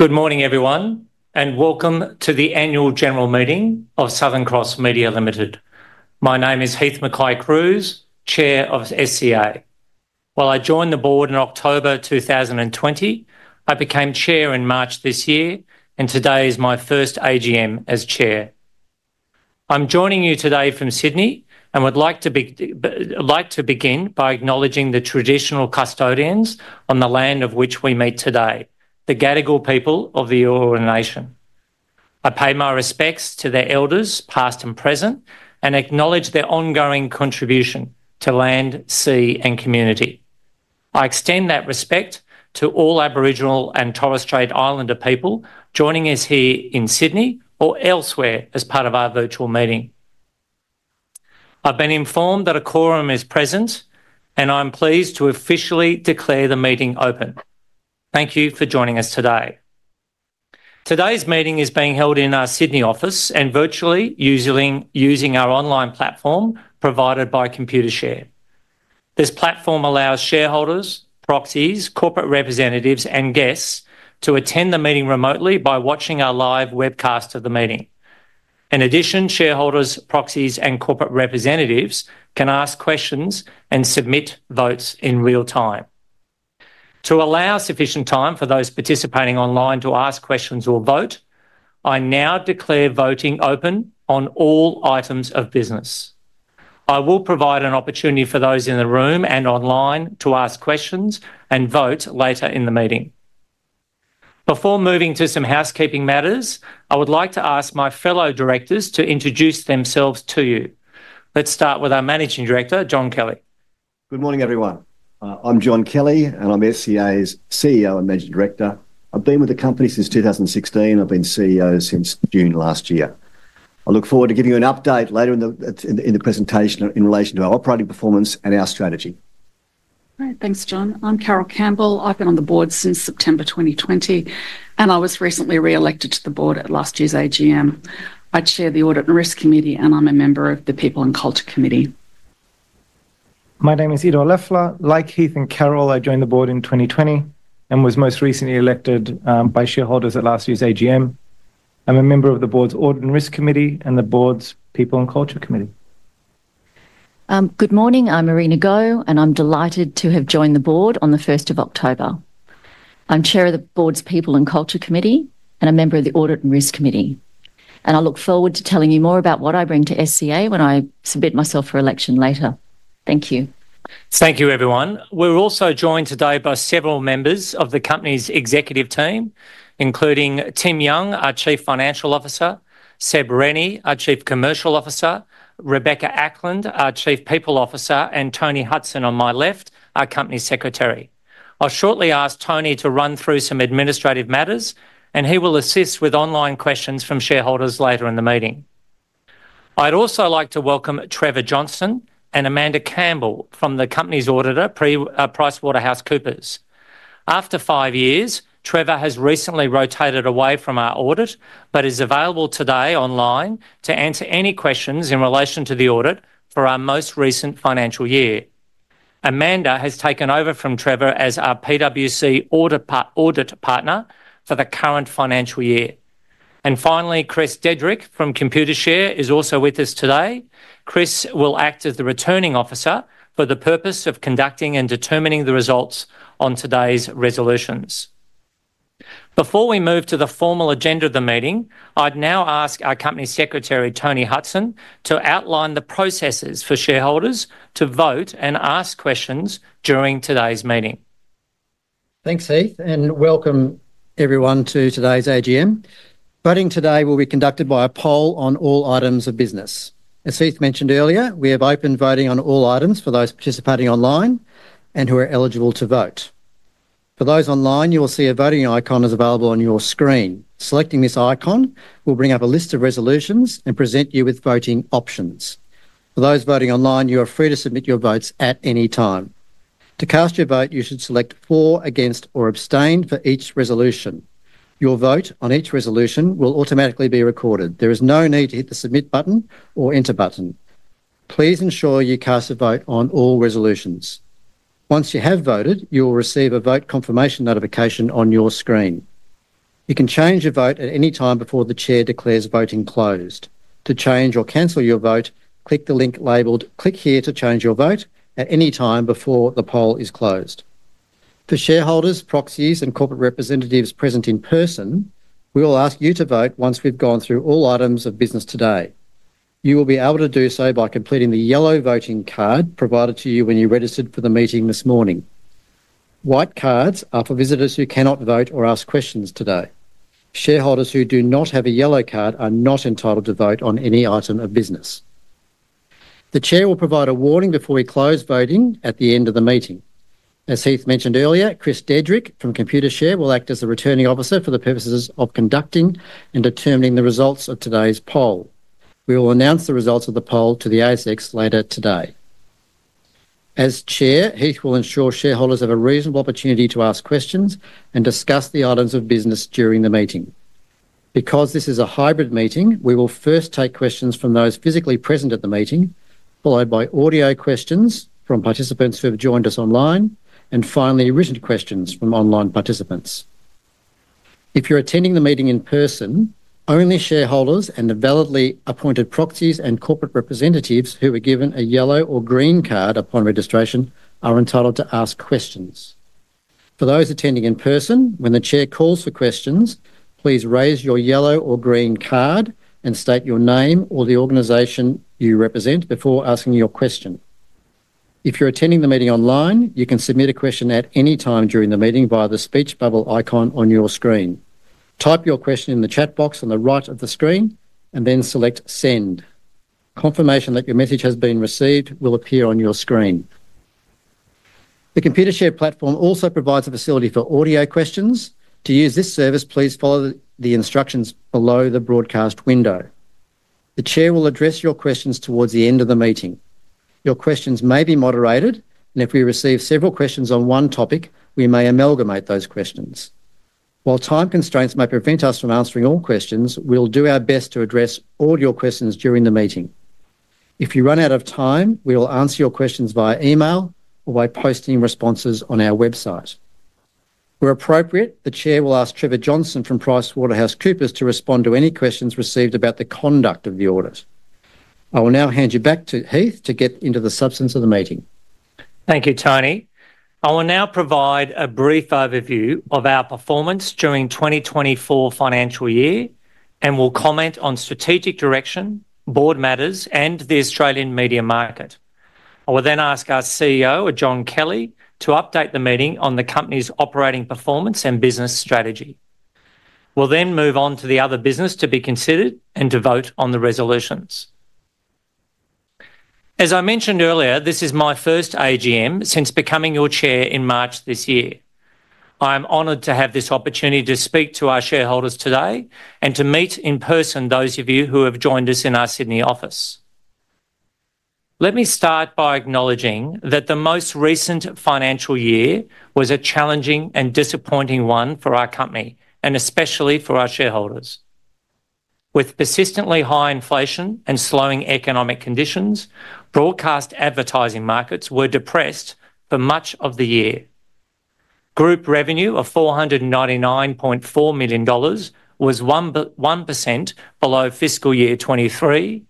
Good morning, everyone, and welcome to the annual general meeting of Southern Cross Media Group Limited. My name is Heith Mackay-Cruise, Chair of SCA. Well, I joined the board in October 2020. I became Chair in March this year, and today is my first AGM as Chair. I'm joining you today from Sydney and would like to begin by acknowledging the traditional custodians on the land of which we meet today, the Gadigal people of the Eora Nation. I pay my respects to their elders, past and present, and acknowledge their ongoing contribution to land, sea, and community. I extend that respect to all Aboriginal and Torres Strait Islander people joining us here in Sydney or elsewhere as part of our virtual meeting. I've been informed that a quorum is present, and I'm pleased to officially declare the meeting open. Thank you for joining us today. Today's meeting is being held in our Sydney office and virtually using our online platform provided by Computershare. This platform allows shareholders, proxies, corporate representatives, and guests to attend the meeting remotely by watching our live webcast of the meeting. In addition, shareholders, proxies, and corporate representatives can ask questions and submit votes in real time. To allow sufficient time for those participating online to ask questions or vote, I now declare voting open on all items of business. I will provide an opportunity for those in the room and online to ask questions and vote later in the meeting. Before moving to some housekeeping matters, I would like to ask my fellow directors to introduce themselves to you. Let's start with our Managing Director, John Kelly. Good morning, everyone. I'm John Kelly, and I'm SCA's CEO and Managing Director. I've been with the company since 2016. I've been CEO since June last year. I look forward to giving you an update later in the presentation in relation to our operating performance and our strategy. Thanks, John. I'm Carole Campbell. I've been on the board since September 2020, and I was recently re-elected to the board at last year's AGM. I chair the Audit and Risk Committee, and I'm a member of the People and Culture Committee. My name is Ido Leffler. Like Heith and Carole, I joined the board in 2020 and was most recently elected by shareholders at last year's AGM. I'm a member of the board's Audit and Risk Committee and the board's People and Culture Committee. Good morning. I'm Marina Go, and I'm delighted to have joined the board on the 1st of October. I'm Chair of the board's People and Culture Committee and a member of the Audit and Risk Committee. I look forward to telling you more about what I bring to SCA when I submit myself for election later. Thank you. Thank you, everyone. We're also joined today by several members of the company's executive team, including Tim Young, our Chief Financial Officer, Seb Rennie, our Chief Commercial Officer, Rebecca Ackland, our Chief People Officer, and Tony Hudson on my left, our Company Secretary. I'll shortly ask Tony to run through some administrative matters, and he will assist with online questions from shareholders later in the meeting. I'd also like to welcome Trevor Johnston and Amanda Campbell from the company's auditor, PricewaterhouseCoopers. After five years, Trevor has recently rotated away from our audit but is available today online to answer any questions in relation to the audit for our most recent financial year. Amanda has taken over from Trevor as our PwC audit partner for the current financial year. And finally, Chris Dedrick from Computershare is also with us today. Chris will act as the Returning Officer for the purpose of conducting and determining the results on today's resolutions. Before we move to the formal agenda of the meeting, I'd now ask our Company Secretary, Tony Hudson, to outline the processes for shareholders to vote and ask questions during today's meeting. Thanks, Heith, and welcome everyone to today's AGM. Voting today will be conducted by a poll on all items of business. As Heith mentioned earlier, we have open voting on all items for those participating online and who are eligible to vote. For those online, you will see a voting icon is available on your screen. Selecting this icon will bring up a list of resolutions and present you with voting options. For those voting online, you are free to submit your votes at any time. To cast your vote, you should select for, against, or abstain for each resolution. Your vote on each resolution will automatically be recorded. There is no need to hit the submit button or enter button. Please ensure you cast a vote on all resolutions. Once you have voted, you will receive a vote confirmation notification on your screen. You can change your vote at any time before the Chair declares voting closed. To change or cancel your vote, click the link labeled "Click here to change your vote" at any time before the poll is closed. For shareholders, proxies, and corporate representatives present in person, we will ask you to vote once we've gone through all items of business today. You will be able to do so by completing the yellow voting card provided to you when you registered for the meeting this morning. White cards are for visitors who cannot vote or ask questions today. Shareholders who do not have a yellow card are not entitled to vote on any item of business. The Chair will provide a warning before we close voting at the end of the meeting. As Heith mentioned earlier, Chris Dedrick from Computershare will act as the Returning Officer for the purposes of conducting and determining the results of today's poll. We will announce the results of the poll to the ASX later today. As Chair, Heith will ensure shareholders have a reasonable opportunity to ask questions and discuss the items of business during the meeting. Because this is a hybrid meeting, we will first take questions from those physically present at the meeting, followed by audio questions from participants who have joined us online, and finally, written questions from online participants. If you're attending the meeting in person, only shareholders and the validly appointed proxies and corporate representatives who are given a yellow or green card upon registration are entitled to ask questions. For those attending in person, when the Chair calls for questions, please raise your yellow or green card and state your name or the organization you represent before asking your question. If you're attending the meeting online, you can submit a question at any time during the meeting via the speech bubble icon on your screen. Type your question in the chat box on the right of the screen and then select "Send." Confirmation that your message has been received will appear on your screen. The Computershare platform also provides a facility for audio questions. To use this service, please follow the instructions below the broadcast window. The Chair will address your questions towards the end of the meeting. Your questions may be moderated, and if we receive several questions on one topic, we may amalgamate those questions. While time constraints may prevent us from answering all questions, we'll do our best to address all your questions during the meeting. If you run out of time, we'll answer your questions via email or by posting responses on our website. Where appropriate, the Chair will ask Trevor Johnson from PricewaterhouseCoopers to respond to any questions received about the conduct of the audit. I will now hand you back to Heith to get into the substance of the meeting. Thank you, Tony. I will now provide a brief overview of our performance during 2024 financial year and will comment on strategic direction, board matters, and the Australian media market. I will then ask our CEO, John Kelly, to update the meeting on the company's operating performance and business strategy. We'll then move on to the other business to be considered and to vote on the resolutions. As I mentioned earlier, this is my first AGM since becoming your Chair in March this year. I am honored to have this opportunity to speak to our shareholders today and to meet in person those of you who have joined us in our Sydney office. Let me start by acknowledging that the most recent financial year was a challenging and disappointing one for our company, and especially for our shareholders. With persistently high inflation and slowing economic conditions, broadcast advertising markets were depressed for much of the year. Group revenue of 499.4 million dollars was 1% below fiscal year 2023,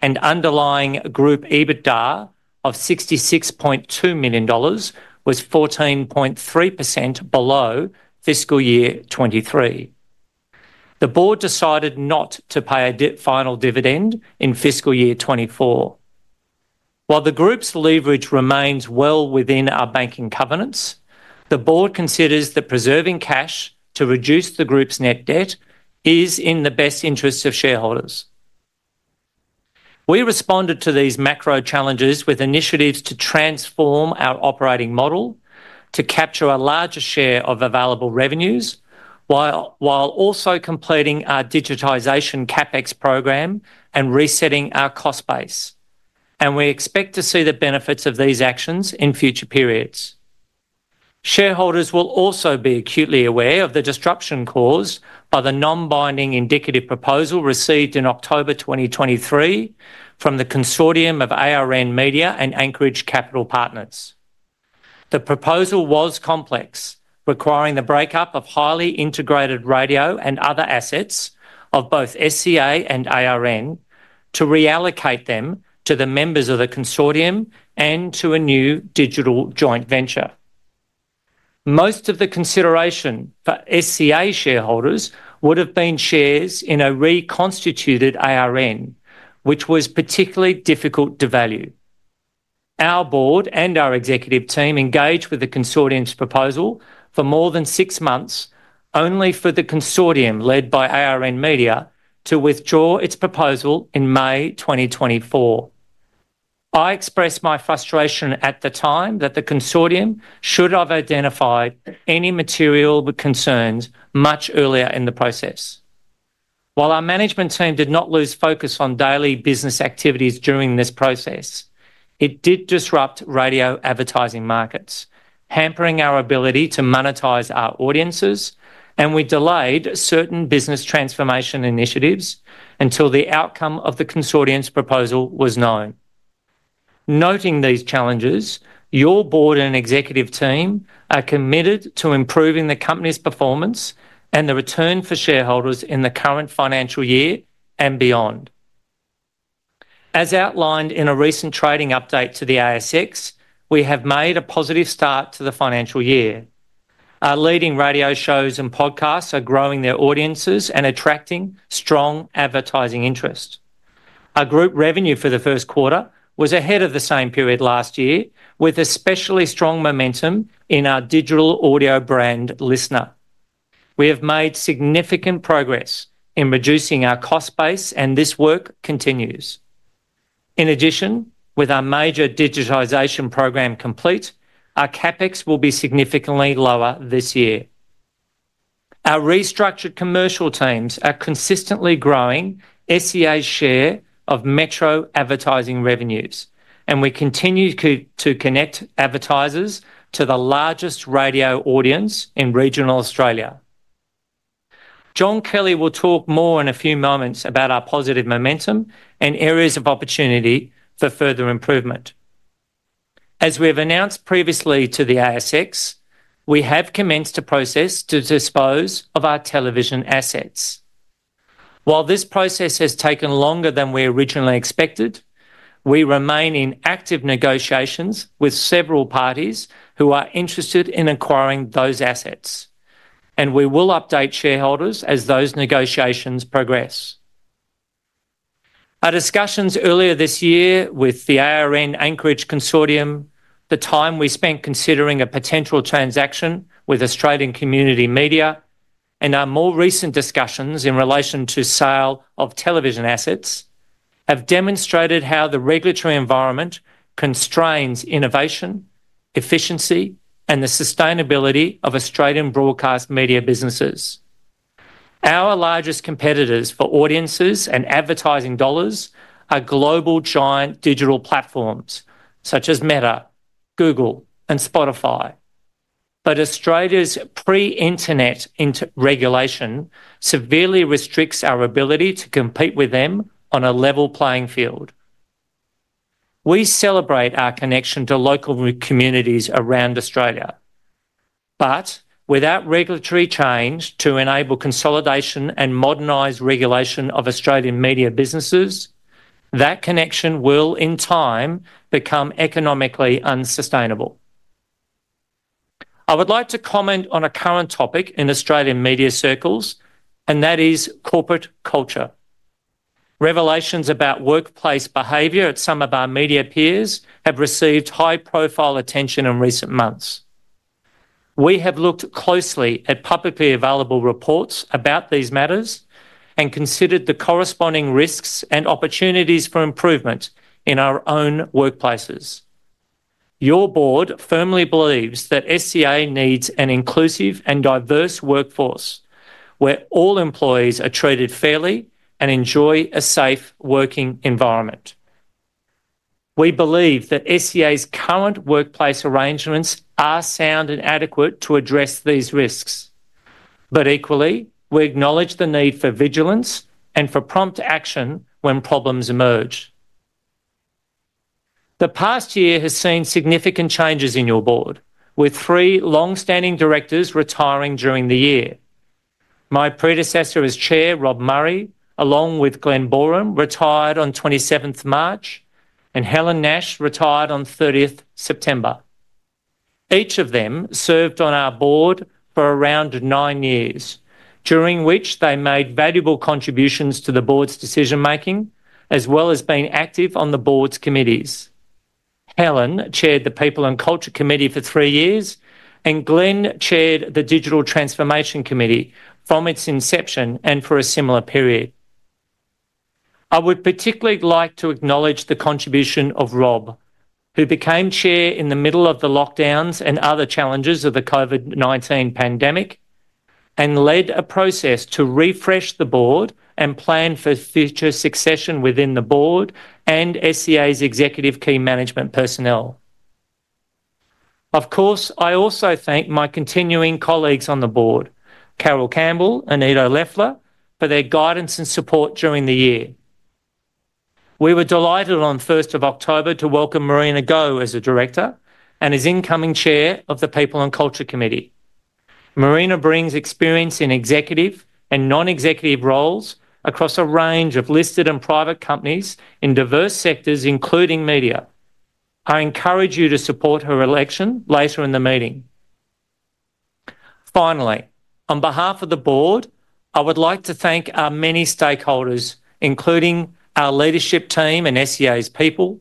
and underlying group EBITDA of 66.2 million dollars was 14.3% below fiscal year 2023. The board decided not to pay a final dividend in fiscal year 2024. While the group's leverage remains well within our banking covenants, the board considers that preserving cash to reduce the group's net debt is in the best interests of shareholders. We responded to these macro challenges with initiatives to transform our operating model to capture a larger share of available revenues while also completing our digitization CapEx program and resetting our cost base. And we expect to see the benefits of these actions in future periods. Shareholders will also be acutely aware of the disruption caused by the non-binding indicative proposal received in October 2023 from the Consortium of ARN Media and Anchorage Capital Partners. The proposal was complex, requiring the breakup of highly integrated radio and other assets of both SCA and ARN to reallocate them to the members of the Consortium and to a new digital joint venture. Most of the consideration for SCA shareholders would have been shares in a reconstituted ARN, which was particularly difficult to value. Our board and our executive team engaged with the Consortium's proposal for more than six months, only for the Consortium, led by ARN Media, to withdraw its proposal in May 2024. I expressed my frustration at the time that the Consortium should have identified any material concerns much earlier in the process. While our management team did not lose focus on daily business activities during this process, it did disrupt radio advertising markets, hampering our ability to monetize our audiences, and we delayed certain business transformation initiatives until the outcome of the Consortium's proposal was known. Noting these challenges, your board and executive team are committed to improving the company's performance and the return for shareholders in the current financial year and beyond. As outlined in a recent trading update to the ASX, we have made a positive start to the financial year. Our leading radio shows and podcasts are growing their audiences and attracting strong advertising interest. Our group revenue for the first quarter was ahead of the same period last year, with especially strong momentum in our digital audio brand LiSTNR. We have made significant progress in reducing our cost base, and this work continues. In addition, with our major digitization program complete, our CapEx will be significantly lower this year. Our restructured commercial teams are consistently growing SCA's share of metro advertising revenues, and we continue to connect advertisers to the largest radio audience in regional Australia. John Kelly will talk more in a few moments about our positive momentum and areas of opportunity for further improvement. As we have announced previously to the ASX, we have commenced a process to dispose of our television assets. While this process has taken longer than we originally expected, we remain in active negotiations with several parties who are interested in acquiring those assets, and we will update shareholders as those negotiations progress. Our discussions earlier this year with the ARN Anchorage Consortium, the time we spent considering a potential transaction with Australian Community Media, and our more recent discussions in relation to sale of television assets have demonstrated how the regulatory environment constrains innovation, efficiency, and the sustainability of Australian broadcast media businesses. Our largest competitors for audiences and advertising dollars are global giant digital platforms such as Meta, Google, and Spotify. But Australia's pre-internet regulation severely restricts our ability to compete with them on a level playing field. We celebrate our connection to local communities around Australia. But without regulatory change to enable consolidation and modernized regulation of Australian media businesses, that connection will, in time, become economically unsustainable. I would like to comment on a current topic in Australian media circles, and that is corporate culture. Revelations about workplace behavior at some of our media peers have received high-profile attention in recent months. We have looked closely at publicly available reports about these matters and considered the corresponding risks and opportunities for improvement in our own workplaces. Your board firmly believes that SCA needs an inclusive and diverse workforce where all employees are treated fairly and enjoy a safe working environment. We believe that SCA's current workplace arrangements are sound and adequate to address these risks. But equally, we acknowledge the need for vigilance and for prompt action when problems emerge. The past year has seen significant changes in your board, with three long-standing directors retiring during the year. My predecessor as Chair, Rob Murray, along with Glen Boreham, retired on 27th March, and Helen Nash retired on 30th September. Each of them served on our board for around nine years, during which they made valuable contributions to the board's decision-making, as well as being active on the board's committees. Helen chaired the People and Culture Committee for three years, and Glen chaired the Digital Transformation Committee from its inception and for a similar period. I would particularly like to acknowledge the contribution of Rob, who became Chair in the middle of the lockdowns and other challenges of the COVID-19 pandemic, and led a process to refresh the board and plan for future succession within the board and SCA's executive key management personnel. Of course, I also thank my continuing colleagues on the board, Carole Campbell and Ido Leffler, for their guidance and support during the year. We were delighted on 1st October to welcome Marina Go as a director and as incoming Chair of the People and Culture Committee. Marina brings experience in executive and non-executive roles across a range of listed and private companies in diverse sectors, including media. I encourage you to support her election later in the meeting. Finally, on behalf of the board, I would like to thank our many stakeholders, including our leadership team and SCA's people,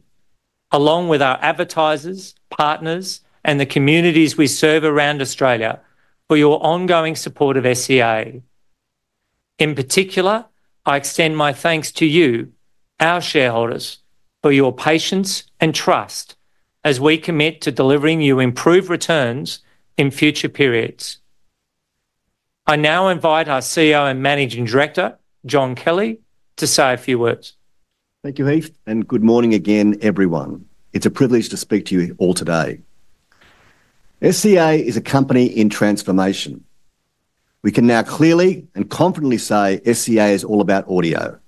along with our advertisers, partners, and the communities we serve around Australia, for your ongoing support of SCA. In particular, I extend my thanks to you, our shareholders, for your patience and trust as we commit to delivering you improved returns in future periods. I now invite our CEO and Managing Director, John Kelly, to say a few words. Thank you, Heith, and good morning again, everyone. It's a privilege to speak to you all today. SCA is a company in transformation. We can now clearly and confidently say SCA is all about audio.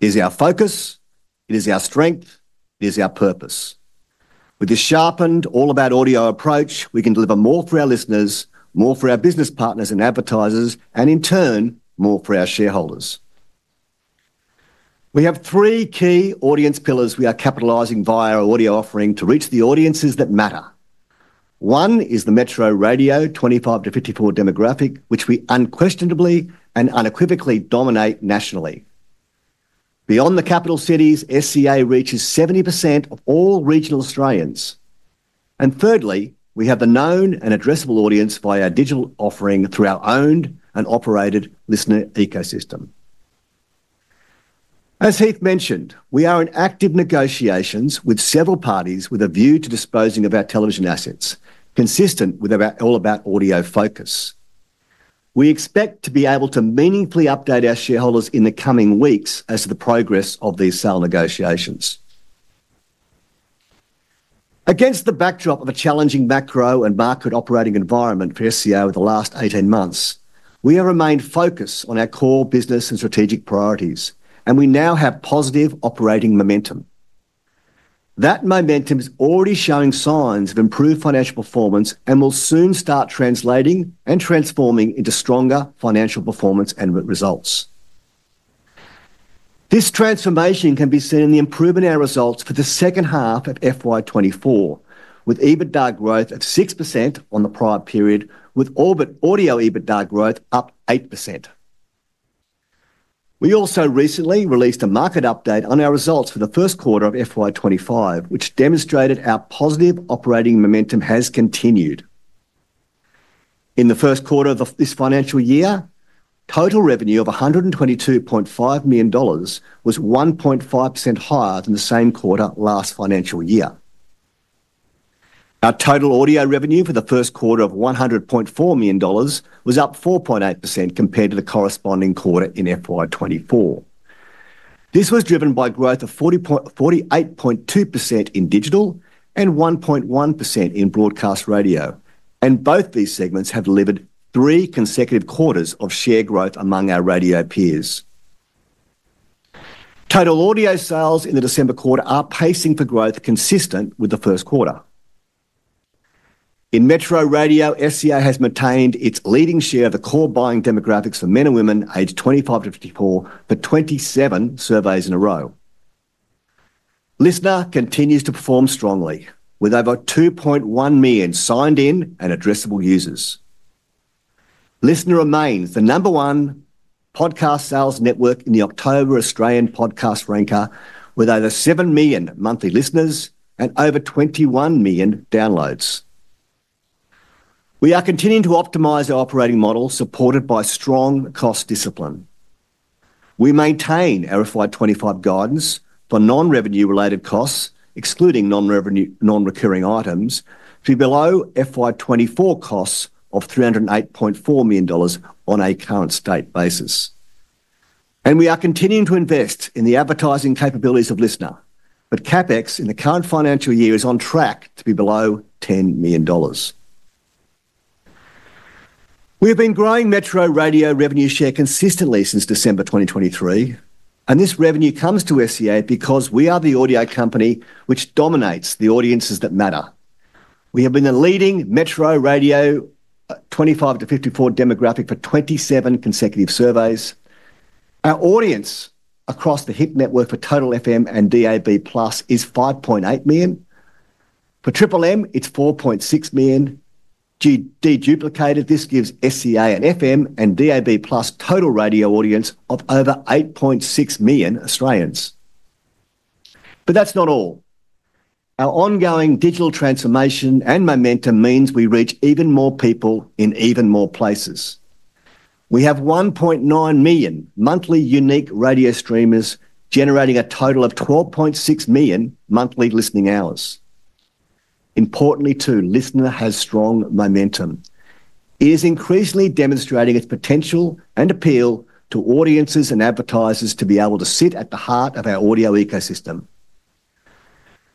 It is our focus. It is our strength. It is our purpose. With this sharpened all-about-audio approach, we can deliver more for our listeners, more for our business partners and advertisers, and in turn, more for our shareholders. We have three key audience pillars we are capitalising via our audio offering to reach the audiences that matter. One is the metro radio, 25-54 demographic, which we unquestionably and unequivocally dominate nationally. Beyond the capital cities, SCA reaches 70% of all regional Australians, and thirdly, we have the known and addressable audience via digital offering through our owned and operated LiSTNR ecosystem. As Heith mentioned, we are in active negotiations with several parties with a view to disposing of our television assets, consistent with our all-about-audio focus. We expect to be able to meaningfully update our shareholders in the coming weeks as to the progress of these sale negotiations. Against the backdrop of a challenging macro and market operating environment for SCA over the last 18 months, we have remained focused on our core business and strategic priorities, and we now have positive operating momentum. That momentum is already showing signs of improved financial performance and will soon start translating and transforming into stronger financial performance and results. This transformation can be seen in the improvement in our results for the second half of FY 2024, with EBITDA growth of 6% on the prior period, with audio EBITDA growth up 8%. We also recently released a market update on our results for the first quarter of FY 2025, which demonstrated our positive operating momentum has continued. In the first quarter of this financial year, total revenue of 122.5 million dollars was 1.5% higher than the same quarter last financial year. Our total audio revenue for the first quarter of AUD 100.4 million was up 4.8% compared to the corresponding quarter in FY 2024. This was driven by growth of 48.2% in digital and 1.1% in broadcast radio, and both these segments have delivered three consecutive quarters of share growth among our radio peers. Total audio sales in the December quarter are pacing for growth consistent with the first quarter. In metro radio, SCA has maintained its leading share of the core buying demographics for men and women aged 25-54 for 27 surveys in a row. LiSTNR continues to perform strongly, with over 2.1 million signed-in and addressable users. LiSTNR remains the number one podcast sales network in the October Australian Podcast Ranker, with over 7 million monthly listeners and over 21 million downloads. We are continuing to optimize our operating model supported by strong cost discipline. We maintain our FY 2025 guidance for non-revenue-related costs, excluding non-recurring items, to below FY 2024 costs of AUD 308.4 million on a current state basis. And we are continuing to invest in the advertising capabilities of LiSTNR, but CapEx in the current financial year is on track to be below 10 million dollars. We have been growing metro radio revenue share consistently since December 2023, and this revenue comes to SCA because we are the audio company which dominates the audiences that matter. We have been the leading metro radio 25-54 demographic for 27 consecutive surveys. Our audience across the Hit Network for total FM and DAB+ is 5.8 million. For Triple M, it's 4.6 million. Deduplicated, this gives SCA and FM and DAB+ total radio audience of over 8.6 million Australians. But that's not all. Our ongoing digital transformation and momentum means we reach even more people in even more places. We have 1.9 million monthly unique radio streamers generating a total of 12.6 million monthly listening hours. Importantly, too, LiSTNR has strong momentum. It is increasingly demonstrating its potential and appeal to audiences and advertisers to be able to sit at the heart of our audio ecosystem.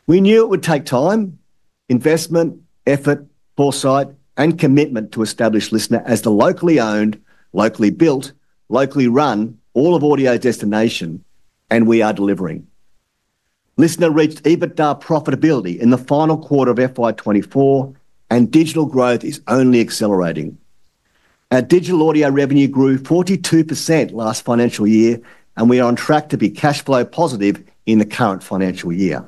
We knew it would take time, investment, effort, foresight, and commitment to establish LiSTNR as the locally owned, locally built, locally run all of audio destination, and we are delivering. LiSTNR reached EBITDA profitability in the final quarter of FY 2024, and digital growth is only accelerating. Our digital audio revenue grew 42% last financial year, and we are on track to be cash flow positive in the current financial year.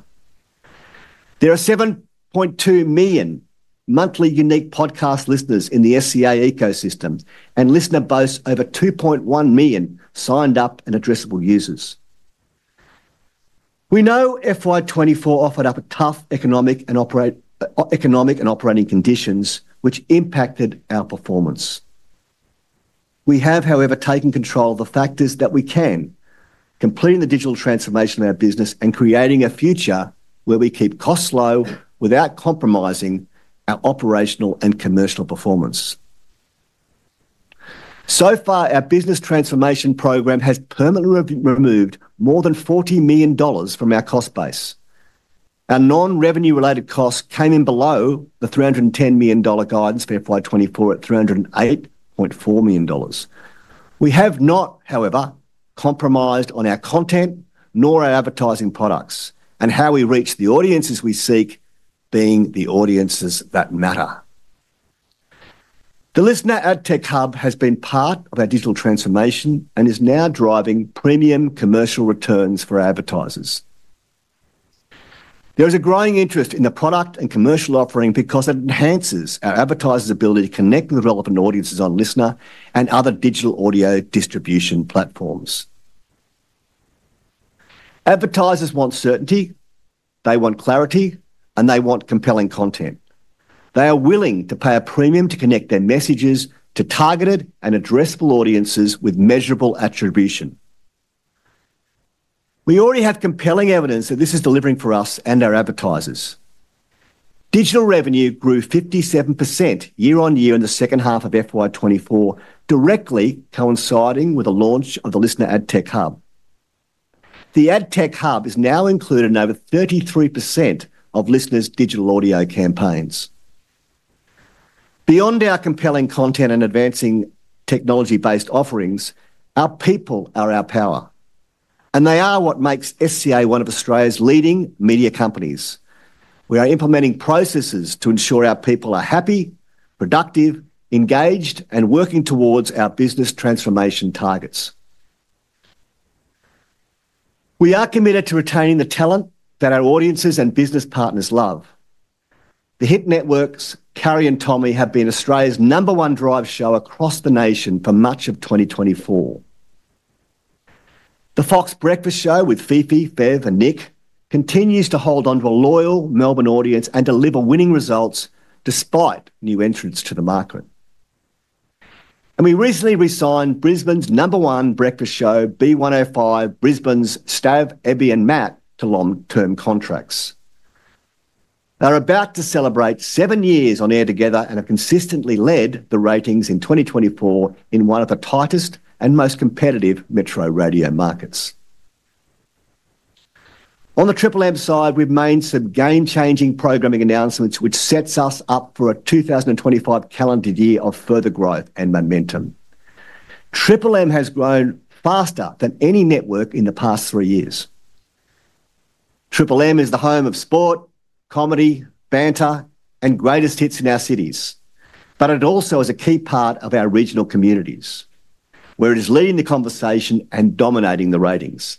There are 7.2 million monthly unique podcast listeners in the SCA ecosystem, and LiSTNR boasts over 2.1 million signed-up and addressable users. We know FY 2024 offered up tough economic and operating conditions, which impacted our performance. We have, however, taken control of the factors that we can, completing the digital transformation of our business and creating a future where we keep costs low without compromising our operational and commercial performance. So far, our business transformation program has permanently removed more than 40 million dollars from our cost base. Our non-revenue-related costs came in below the 310 million dollar guidance for FY 2024 at 308.4 million dollars. We have not, however, compromised on our content nor our advertising products and how we reach the audiences we seek, being the audiences that matter. The LiSTNR AdTech Hub has been part of our digital transformation and is now driving premium commercial returns for our advertisers. There is a growing interest in the product and commercial offering because it enhances our advertisers' ability to connect with relevant audiences on LiSTNR and other digital audio distribution platforms. Advertisers want certainty. They want clarity, and they want compelling content. They are willing to pay a premium to connect their messages to targeted and addressable audiences with measurable attribution. We already have compelling evidence that this is delivering for us and our advertisers. Digital revenue grew 57% year-on-year in the second half of FY 2024, directly coinciding with the launch of the LiSTNR AdTech Hub. The AdTech Hub is now included in over 33% of LiSTNR's digital audio campaigns. Beyond our compelling content and advancing technology-based offerings, our people are our power, and they are what makes SCA one of Australia's leading media companies. We are implementing processes to ensure our people are happy, productive, engaged, and working towards our business transformation targets. We are committed to retaining the talent that our audiences and business partners love. The Hit Network's Carrie and Tommy have been Australia's number one drive show across the nation for much of 2024. The Fox Breakfast Show with Fifi, Fev, and Nick continues to hold on to a loyal Melbourne audience and deliver winning results despite new entrants to the market. And we recently re-signed Brisbane's number one breakfast show, B105, Brisbane's Stav, Abby, and Matt to long-term contracts. They are about to celebrate seven years on air together and have consistently led the ratings in 2024 in one of the tightest and most competitive metro radio markets. On the Triple M side, we've made some game-changing programming announcements, which sets us up for a 2025 calendar year of further growth and momentum. Triple M has grown faster than any network in the past three years. Triple M is the home of sport, comedy, banter, and greatest hits in our cities, but it also is a key part of our regional communities, where it is leading the conversation and dominating the ratings.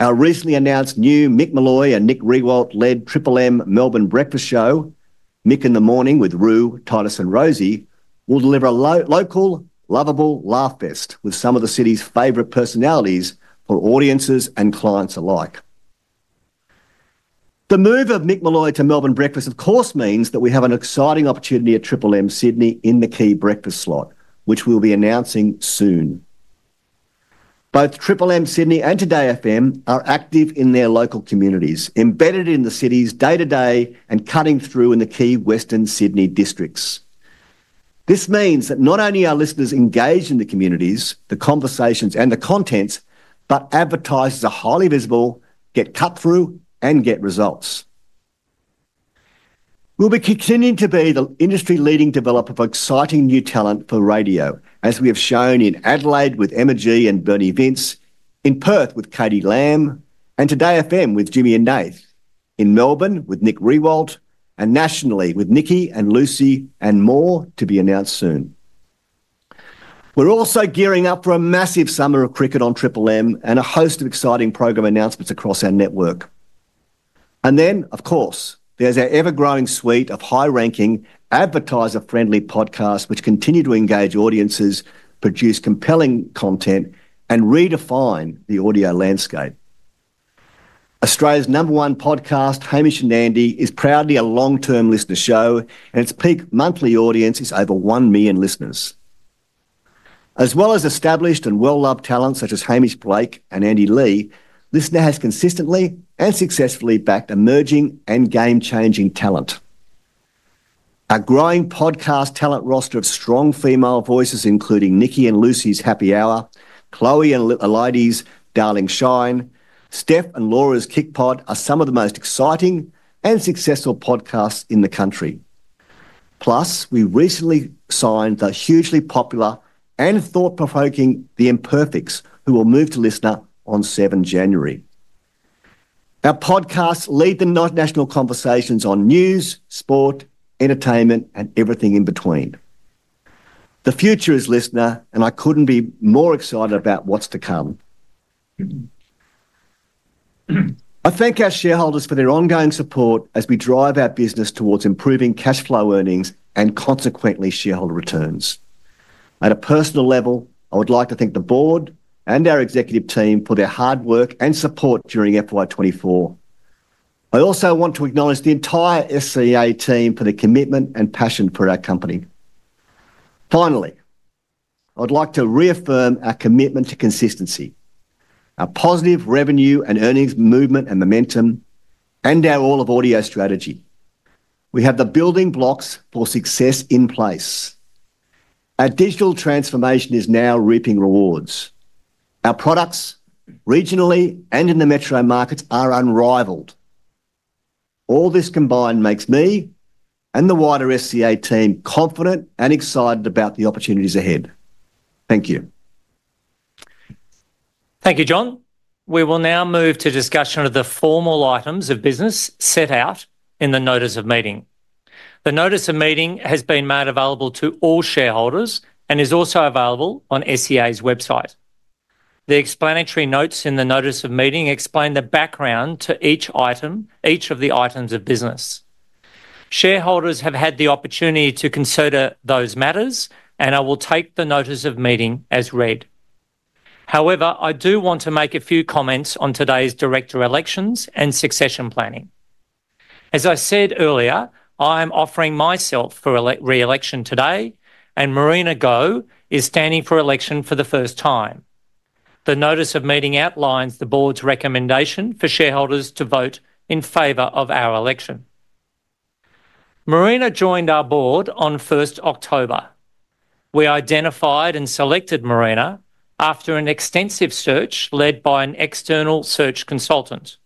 Our recently announced new Mick Molloy and Nick Riewoldt-led Triple M Melbourne Breakfast Show, Mick in the Morning with Roo, Titus, and Rosie, will deliver a local, lovable laugh fest with some of the city's favorite personalities for audiences and clients alike. The move of Mick Molloy to Melbourne Breakfast, of course, means that we have an exciting opportunity at Triple M Sydney in the key breakfast slot, which we'll be announcing soon. Both Triple M Sydney and 2DayFM are active in their local communities, embedded in the city's day-to-day and cutting through in the key Western Sydney districts. This means that not only are listeners engaged in the communities, the conversations, and the contents, but advertisers are highly visible, get cut through, and get results. We'll be continuing to be the industry-leading developer for exciting new talent for radio, as we have shown in Adelaide with Emma G and Bernie Vince, in Perth with Katie Lamb, and 2DayFM with Jimmy and Nath, in Melbourne with Nick Riewoldt, and nationally with Nikki and Lucy and more to be announced soon. We're also gearing up for a massive summer of cricket on Triple M and a host of exciting program announcements across our network, and then, of course, there's our ever-growing suite of high-ranking, advertiser-friendly podcasts which continue to engage audiences, produce compelling content, and redefine the audio landscape. Australia's number one podcast, Hamish & Andy, is proudly a long-term LiSTNR show, and its peak monthly audience is over one million listeners. As well as established and well-loved talents such as Hamish Blake and Andy Lee, LiSTNR has consistently and successfully backed emerging and game-changing talent. Our growing podcast talent roster of strong female voices, including Nikki and Lucy's Happy Hour, Chloe and Ellidy Darling Shine, Steph and Laura's KICPOD, are some of the most exciting and successful podcasts in the country. Plus, we recently signed the hugely popular and thought-provoking The Imperfects, who will move to LiSTNR on 7th January. Our podcasts lead the national conversations on news, sport, entertainment, and everything in between. The future is LiSTNR, and I couldn't be more excited about what's to come. I thank our shareholders for their ongoing support as we drive our business towards improving cash flow earnings and consequently shareholder returns. At a personal level, I would like to thank the board and our executive team for their hard work and support during FY 2024. I also want to acknowledge the entire SCA team for the commitment and passion for our company. Finally, I would like to reaffirm our commitment to consistency, our positive revenue and earnings movement and momentum, and our all-of-audio strategy. We have the building blocks for success in place. Our digital transformation is now reaping rewards. Our products regionally and in the metro markets are unrivaled. All this combined makes me and the wider SCA team confident and excited about the opportunities ahead. Thank you. Thank you, John. We will now move to discussion of the formal items of business set out in the notice of meeting. The notice of meeting has been made available to all shareholders and is also available on SCA's website. The explanatory notes in the notice of meeting explain the background to each item, each of the items of business. Shareholders have had the opportunity to consider those matters, and I will take the notice of meeting as read. However, I do want to make a few comments on today's director elections and succession planning. As I said earlier, I am offering myself for re-election today, and Marina Go is standing for election for the first time. The notice of meeting outlines the board's recommendation for shareholders to vote in favor of our election. Marina joined our board on 1st October. We identified and selected Marina after an extensive search led by an external search consultant,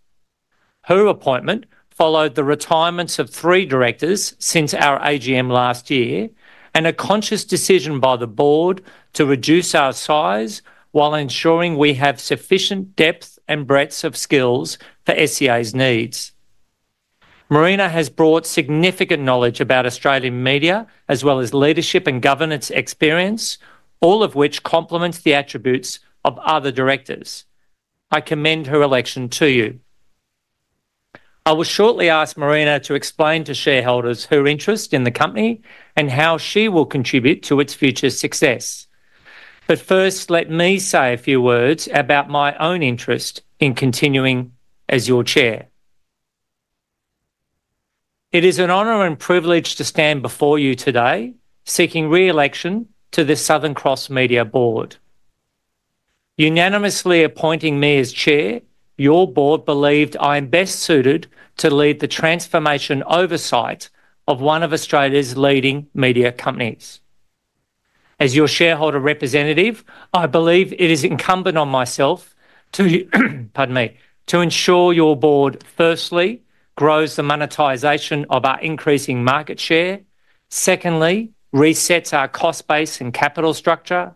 her appointment followed the retirements of three directors since our AGM last year, and a conscious decision by the board to reduce our size while ensuring we have sufficient depth and breadth of skills for SCA's needs. Marina has brought significant knowledge about Australian media as well as leadership and governance experience, all of which complements the attributes of other directors. I commend her election to you. I will shortly ask Marina to explain to shareholders her interest in the company and how she will contribute to its future success. But first, let me say a few words about my own interest in continuing as your chair. It is an honor and privilege to stand before you today seeking re-election to the Southern Cross Media Board. Unanimously appointing me as chair, your board believed I am best suited to lead the transformation oversight of one of Australia's leading media companies. As your shareholder representative, I believe it is incumbent on myself to ensure your board firstly grows the monetization of our increasing market share, secondly resets our cost base and capital structure,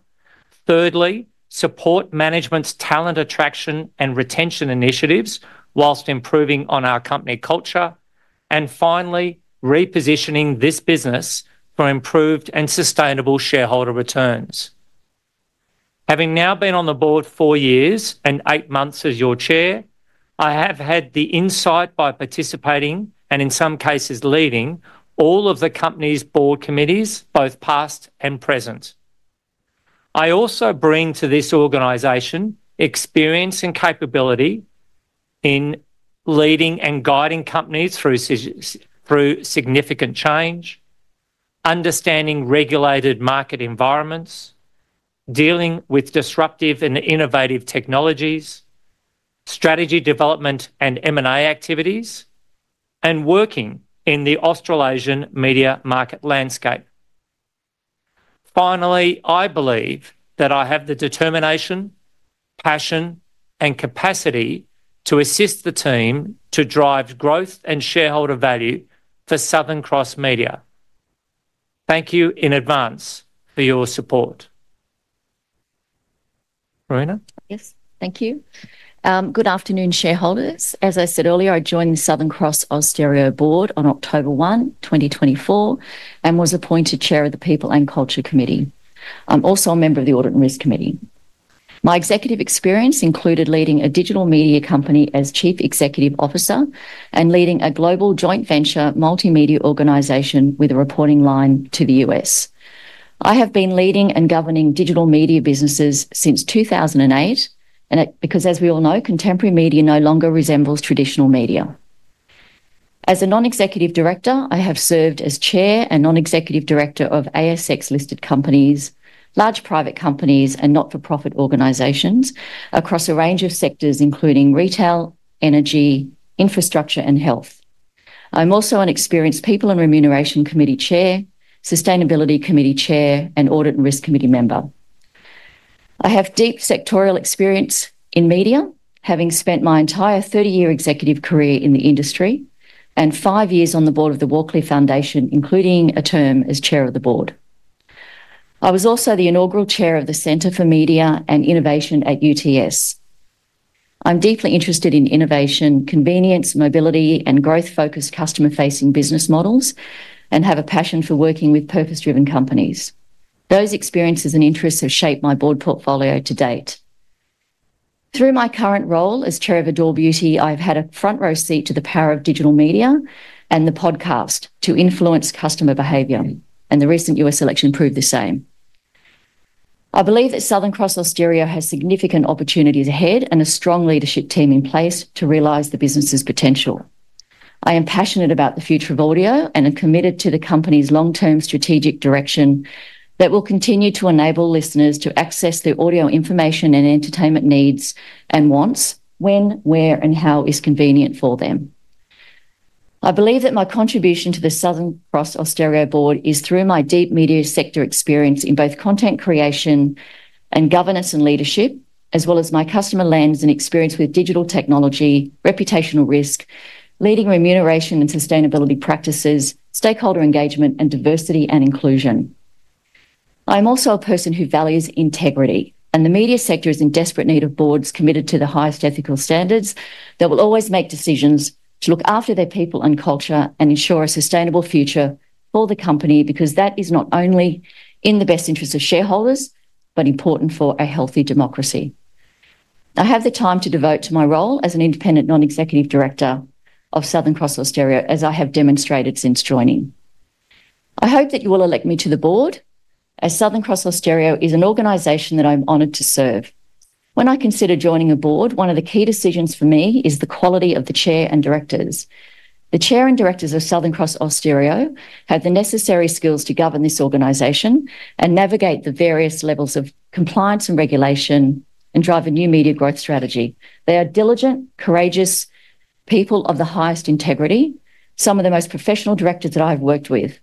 thirdly support management's talent attraction and retention initiatives while improving on our company culture, and finally repositioning this business for improved and sustainable shareholder returns. Having now been on the board four years and eight months as your chair, I have had the insight by participating and in some cases leading all of the company's board committees, both past and present. I also bring to this organization experience and capability in leading and guiding companies through significant change, understanding regulated market environments, dealing with disruptive and innovative technologies, strategy development and M&A activities, and working in the Australasian media market landscape. Finally, I believe that I have the determination, passion, and capacity to assist the team to drive growth and shareholder value for Southern Cross Media. Thank you in advance for your support. Marina? Yes, thank you. Good afternoon, shareholders. As I said earlier, I joined the Southern Cross Austereo board on October 1, 2024, and was appointed chair of the People and Culture Committee. I'm also a member of the Audit and Risk Committee. My executive experience included leading a digital media company as chief executive officer and leading a global joint venture multimedia organization with a reporting line to the U.S. I have been leading and governing digital media businesses since 2008 because, as we all know, contemporary media no longer resembles traditional media. As a non-executive director, I have served as chair and non-executive director of ASX-listed companies, large private companies, and not-for-profit organizations across a range of sectors, including retail, energy, infrastructure, and health. I'm also an experienced People and Remuneration Committee chair, Sustainability Committee chair, and Audit and Risk Committee member. I have deep sectoral experience in media, having spent my entire 30-year executive career in the industry and five years on the board of the Walkley Foundation, including a term as chair of the board. I was also the inaugural chair of the Centre for Media and Innovation at UTS. I'm deeply interested in innovation, convenience, mobility, and growth-focused customer-facing business models, and have a passion for working with purpose-driven companies. Those experiences and interests have shaped my board portfolio to date. Through my current role as Chair of Adore Beauty, I've had a front-row seat to the power of digital media and the podcast to influence customer behavior, and the recent U.S. election proved the same. I believe that Southern Cross Austereo has significant opportunities ahead and a strong leadership team in place to realize the business's potential. I am passionate about the future of audio and am committed to the company's long-term strategic direction that will continue to enable listeners to access their audio information and entertainment needs and wants when, where, and how it is convenient for them. I believe that my contribution to the Southern Cross Austereo board is through my deep media sector experience in both content creation and governance and leadership, as well as my customer lens and experience with digital technology, reputational risk, leading remuneration and sustainability practices, stakeholder engagement, and diversity and inclusion. I am also a person who values integrity, and the media sector is in desperate need of boards committed to the highest ethical standards that will always make decisions to look after their people and culture and ensure a sustainable future for the company because that is not only in the best interest of shareholders but important for a healthy democracy. I have the time to devote to my role as an independent non-executive director of Southern Cross Austereo, as I have demonstrated since joining. I hope that you will elect me to the board as Southern Cross Austereo is an organization that I'm honored to serve. When I consider joining a board, one of the key decisions for me is the quality of the chair and directors. The chair and directors of Southern Cross Austereo have the necessary skills to govern this organization and navigate the various levels of compliance and regulation and drive a new media growth strategy. They are diligent, courageous people of the highest integrity, some of the most professional directors that I have worked with,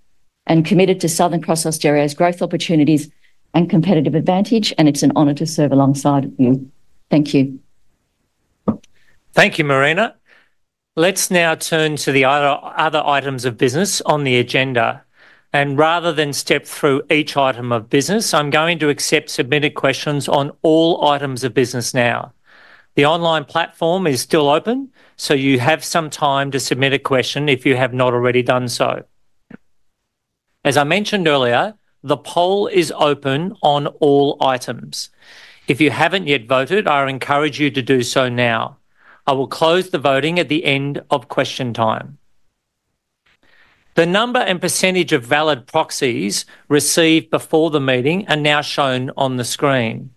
and committed to Southern Cross Austereo's growth opportunities and competitive advantage, and it's an honor to serve alongside you. Thank you. Thank you, Marina. Let's now turn to the other items of business on the agenda. Rather than step through each item of business, I'm going to accept submitted questions on all items of business now. The online platform is still open, so you have some time to submit a question if you have not already done so. As I mentioned earlier, the poll is open on all items. If you haven't yet voted, I encourage you to do so now. I will close the voting at the end of question time. The number and percentage of valid proxies received before the meeting are now shown on the screen.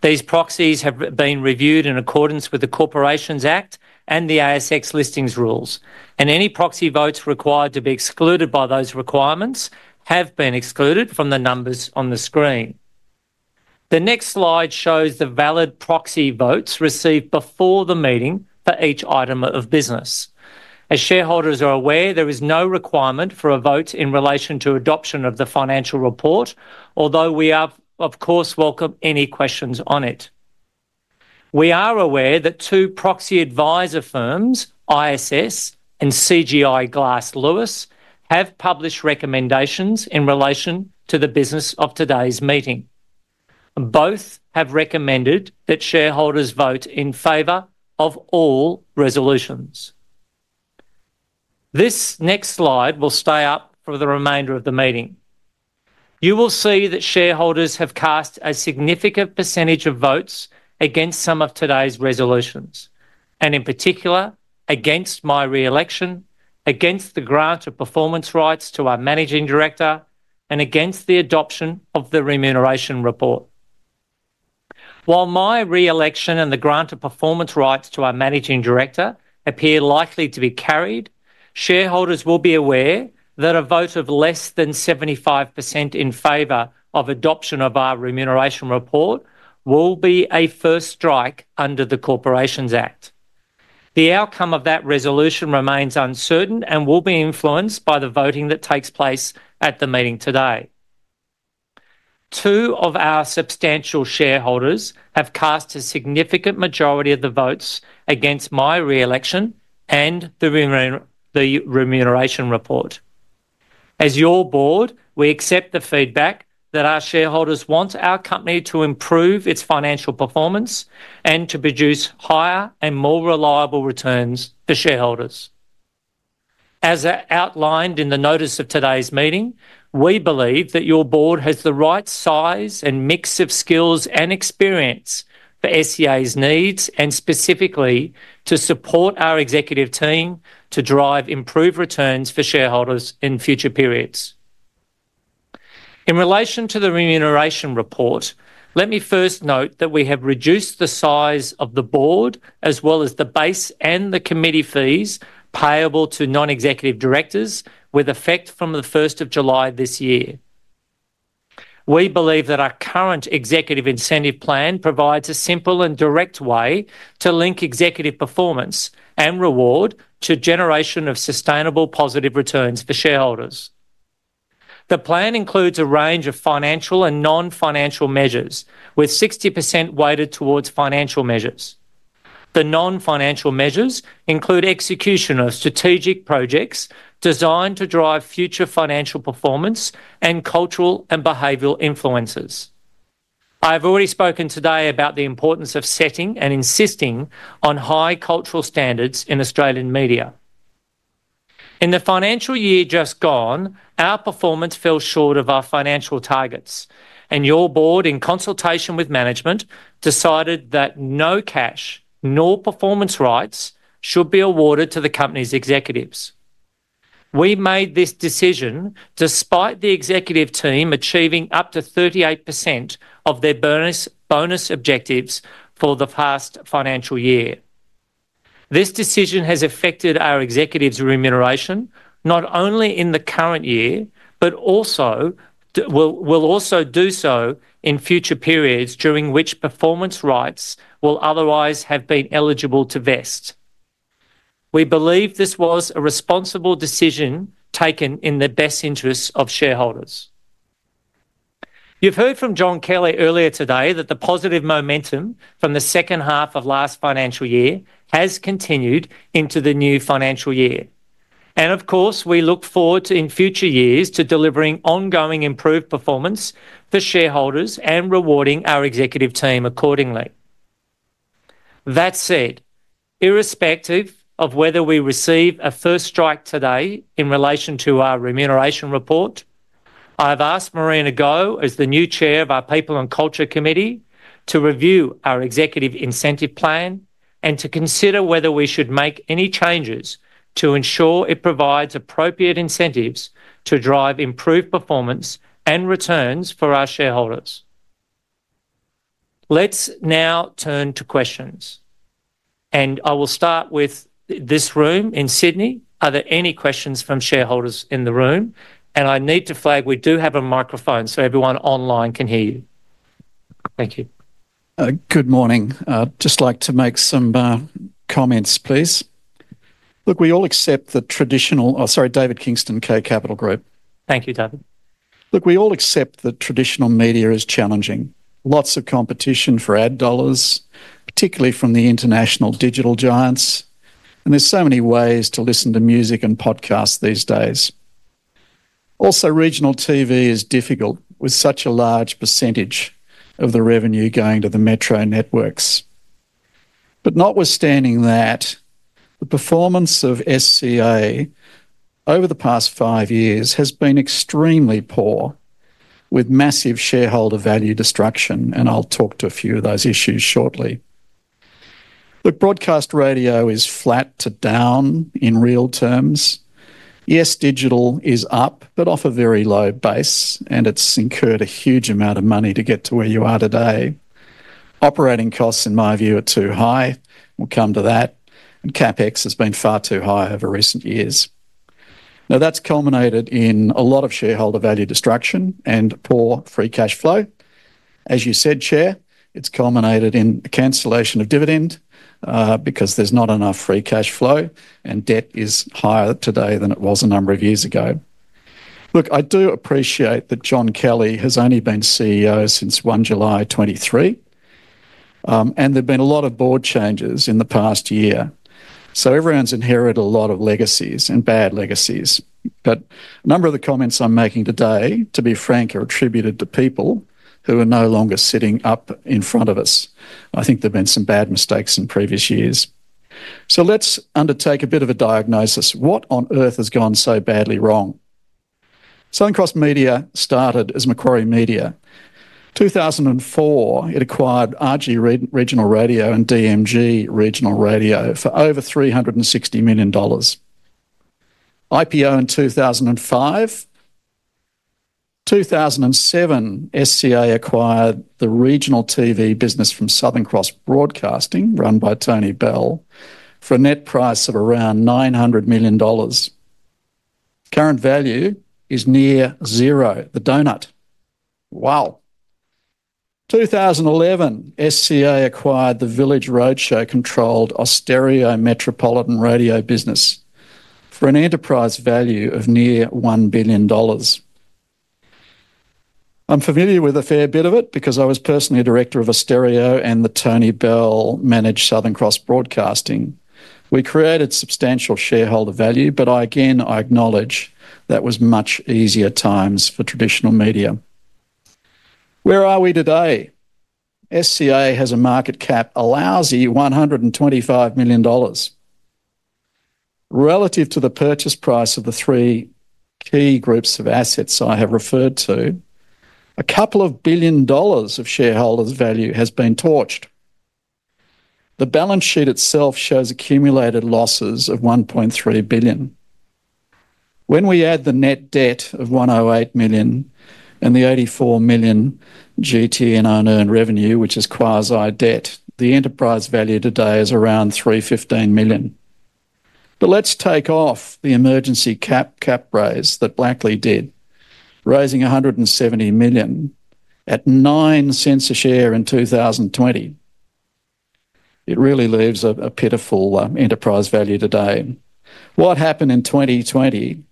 These proxies have been reviewed in accordance with the Corporations Act and the ASX listings rules, and any proxy votes required to be excluded by those requirements have been excluded from the numbers on the screen. The next slide shows the valid proxy votes received before the meeting for each item of business. As shareholders are aware, there is no requirement for a vote in relation to adoption of the financial report, although we are, of course, welcome any questions on it. We are aware that two proxy advisor firms, ISS and CGI Glass Lewis, have published recommendations in relation to the business of today's meeting. Both have recommended that shareholders vote in favor of all resolutions. This next slide will stay up for the remainder of the meeting. You will see that shareholders have cast a significant percentage of votes against some of today's resolutions, and in particular, against my re-election, against the grant of performance rights to our managing director, and against the adoption of the remuneration report. While my re-election and the grant of performance rights to our managing director appear likely to be carried, shareholders will be aware that a vote of less than 75% in favor of adoption of our remuneration report will be a first strike under the Corporations Act. The outcome of that resolution remains uncertain and will be influenced by the voting that takes place at the meeting today. Two of our substantial shareholders have cast a significant majority of the votes against my re-election and the remuneration report. As your board, we accept the feedback that our shareholders want our company to improve its financial performance and to produce higher and more reliable returns for shareholders. As outlined in the notice of today's meeting, we believe that your board has the right size and mix of skills and experience for SCA's needs and specifically to support our executive team to drive improved returns for shareholders in future periods. In relation to the remuneration report, let me first note that we have reduced the size of the board as well as the base and the committee fees payable to non-executive directors with effect from the 1st of July this year. We believe that our current executive incentive plan provides a simple and direct way to link executive performance and reward to generation of sustainable positive returns for shareholders. The plan includes a range of financial and non-financial measures, with 60% weighted towards financial measures. The non-financial measures include execution of strategic projects designed to drive future financial performance and cultural and behavioral influences. I have already spoken today about the importance of setting and insisting on high cultural standards in Australian media. In the financial year just gone, our performance fell short of our financial targets, and your board, in consultation with management, decided that no cash nor performance rights should be awarded to the company's executives. We made this decision despite the executive team achieving up to 38% of their bonus objectives for the past financial year. This decision has affected our executive's remuneration not only in the current year, but also will do so in future periods during which performance rights will otherwise have been eligible to vest. We believe this was a responsible decision taken in the best interests of shareholders. You've heard from John Kelly earlier today that the positive momentum from the second half of last financial year has continued into the new financial year. And of course, we look forward to in future years to delivering ongoing improved performance for shareholders and rewarding our executive team accordingly. That said, irrespective of whether we receive a first strike today in relation to our remuneration report, I have asked Marina Go, as the new chair of our People and Culture Committee, to review our executive incentive plan and to consider whether we should make any changes to ensure it provides appropriate incentives to drive improved performance and returns for our shareholders. Let's now turn to questions. And I will start with this room in Sydney. Are there any questions from shareholders in the room? And I need to flag we do have a microphone so everyone online can hear you. Thank you. Good morning. Just like to make some comments, please. Look, we all accept the traditional - I'm sorry, David Kingston, K Capital Group. Thank you, David. Look, we all accept that traditional media is challenging. Lots of competition for ad dollars, particularly from the international digital giants, and there's so many ways to listen to music and podcasts these days. Also, regional TV is difficult with such a large percentage of the revenue going to the metro networks, but notwithstanding that, the performance of SCA over the past five years has been extremely poor, with massive shareholder value destruction, and I'll talk to a few of those issues shortly. Look, broadcast radio is flat to down in real terms. Yes, digital is up, but off a very low base, and it's incurred a huge amount of money to get to where you are today. Operating costs, in my view, are too high. We'll come to that, and CapEx has been far too high over recent years. Now, that's culminated in a lot of shareholder value destruction and poor free cash flow. As you said, Chair, it's culminated in a cancellation of dividend because there's not enough free cash flow, and debt is higher today than it was a number of years ago. Look, I do appreciate that John Kelly has only been CEO since 1 July 2023, and there have been a lot of board changes in the past year. So everyone's inherited a lot of legacies and bad legacies. But a number of the comments I'm making today, to be frank, are attributed to people who are no longer sitting up in front of us. I think there have been some bad mistakes in previous years. So let's undertake a bit of a diagnosis. What on earth has gone so badly wrong? Southern Cross Media started as Macquarie Media. In 2004, it acquired RG Regional Radio and DMG Regional Radio for over 360 million dollars. IPO in 2005. In 2007, SCA acquired the regional TV business from Southern Cross Broadcasting, run by Tony Bell, for a net price of around 900 million dollars. Current value is near zero, the donut. Wow. In 2011, SCA acquired the Village Roadshow Controlled Austereo Metropolitan Radio business for an enterprise value of near 1 billion dollars. I'm familiar with a fair bit of it because I was personally a director of Austereo and the Tony Bell-managed Southern Cross Broadcasting. We created substantial shareholder value, but again, I acknowledge that was much easier times for traditional media. Where are we today? SCA has a market cap, a lousy 125 million dollars. Relative to the purchase price of the three key groups of assets I have referred to, a couple of billion AUD of shareholders' value has been torched. The balance sheet itself shows accumulated losses of 1.3 billion. When we add the net debt of 108 million and the 84 million GTN unearned revenue, which is quasi-debt, the enterprise value today is around 315 million. But let's take off the emergency capital raise that Blackley did, raising 170 million at 0.09 a share in 2020. It really leaves a pitiful enterprise value today. What happened in 2020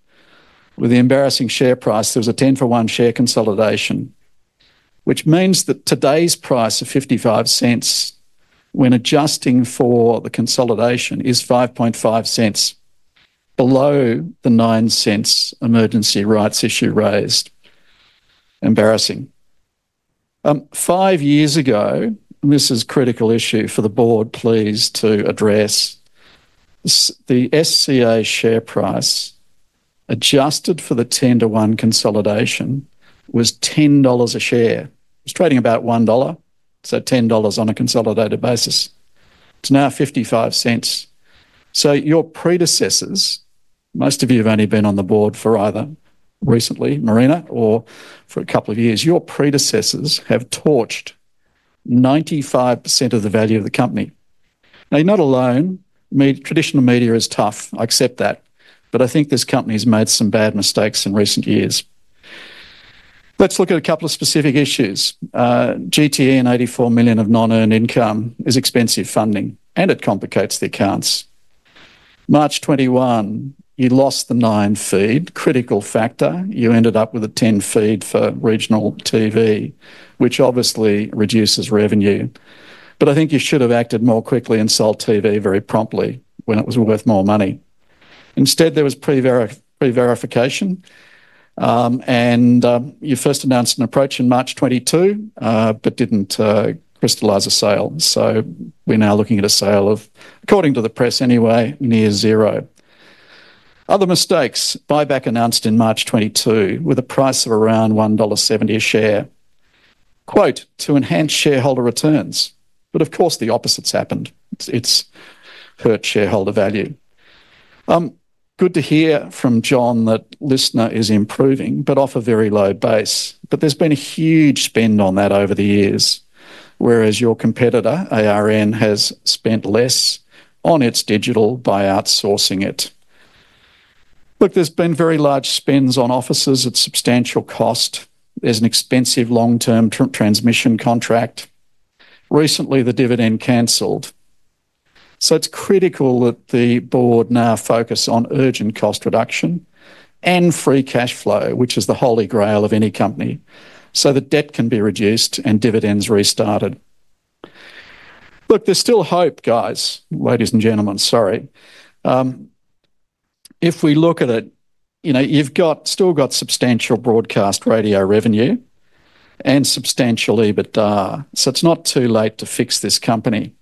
with the embarrassing share price? There was a 10 for 1 share consolidation, which means that today's price of 0.55, when adjusting for the consolidation, is 0.55 below the 0.09 emergency rights issue raised. Embarrassing. Five years ago, and this is a critical issue for the board, please to address, the SCA share price adjusted for the 10 to 1 consolidation was 10 dollars a share. It was trading about 1 dollar, so 10 dollars on a consolidated basis. It's now 0.55. Your predecessors, most of you have only been on the board for either recently, Marina, or for a couple of years. Your predecessors have torched 95% of the value of the company. Now, you're not alone. Traditional media is tough. I accept that. But I think this company has made some bad mistakes in recent years. Let's look at a couple of specific issues. GTN, 84 million of non-earned income, is expensive funding, and it complicates the accounts. March 2021, you lost the Nine feed. Critical factor. You ended up with a Ten feed for regional TV, which obviously reduces revenue. But I think you should have acted more quickly and sold TV very promptly when it was worth more money. Instead, there was prevarication. You first announced an approach in March 2022 but didn't crystallize a sale. We're now looking at a sale of, according to the press anyway, near zero. Other mistakes, buyback announced in March 2022 with a price of around 1.70 dollar a share. "To enhance shareholder returns." But of course, the opposite happened. It's hurt shareholder value. Good to hear from John that LiSTNR is improving, but off a very low base. But there's been a huge spend on that over the years, whereas your competitor, ARN, has spent less on its digital by outsourcing it. Look, there's been very large spends on offices at substantial cost. There's an expensive long-term transmission contract. Recently, the dividend cancelled. So it's critical that the board now focus on urgent cost reduction and free cash flow, which is the holy grail of any company so that debt can be reduced and dividends restarted. Look, there's still hope, guys, ladies and gentlemen, sorry. If we look at it, you've still got substantial broadcast radio revenue and substantial EBITDA, so it's not too late to fix this company.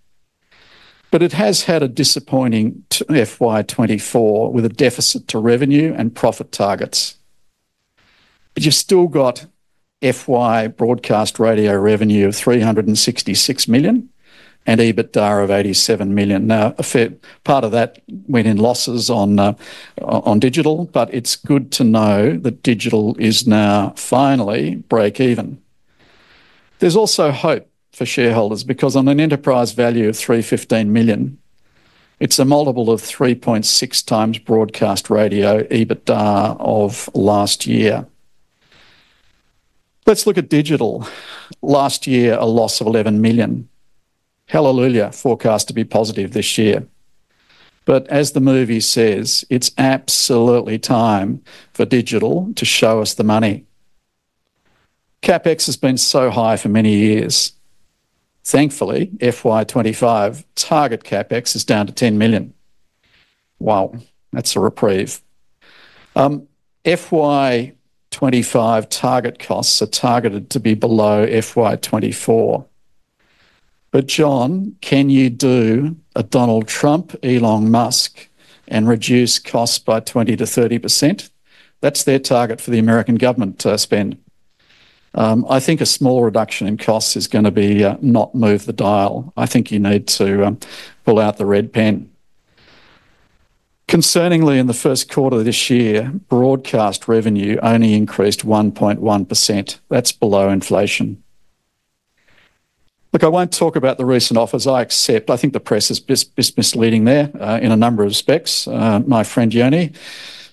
But it has had a disappointing FY 2024 with a deficit to revenue and profit targets. But you've still got FY broadcast radio revenue of 366 million and EBITDA of 87 million. Now, a fair part of that went in losses on digital, but it's good to know that digital is now finally break even. There's also hope for shareholders because on an enterprise value of 315 million, it's a multiple of 3.6x broadcast radio EBITDA of last year. Let's look at digital. Last year, a loss of 11 million. Hallelujah, forecast to be positive this year. But as the movie says, it's absolutely time for digital to show us the money. CapEx has been so high for many years. Thankfully, FY 2025 target CapEx is down to 10 million. Wow, that's a reprieve. FY 2025 target costs are targeted to be below FY 2024. But John, can you do a Donald Trump, Elon Musk, and reduce costs by 20%-30%? That's their target for the American government to spend. I think a small reduction in costs is going to not move the dial. I think you need to pull out the red pen. Concerningly, in the first quarter of this year, broadcast revenue only increased 1.1%. That's below inflation. Look, I won't talk about the recent offers. I accept. I think the press is misleading there in a number of respects. My friend Yoni,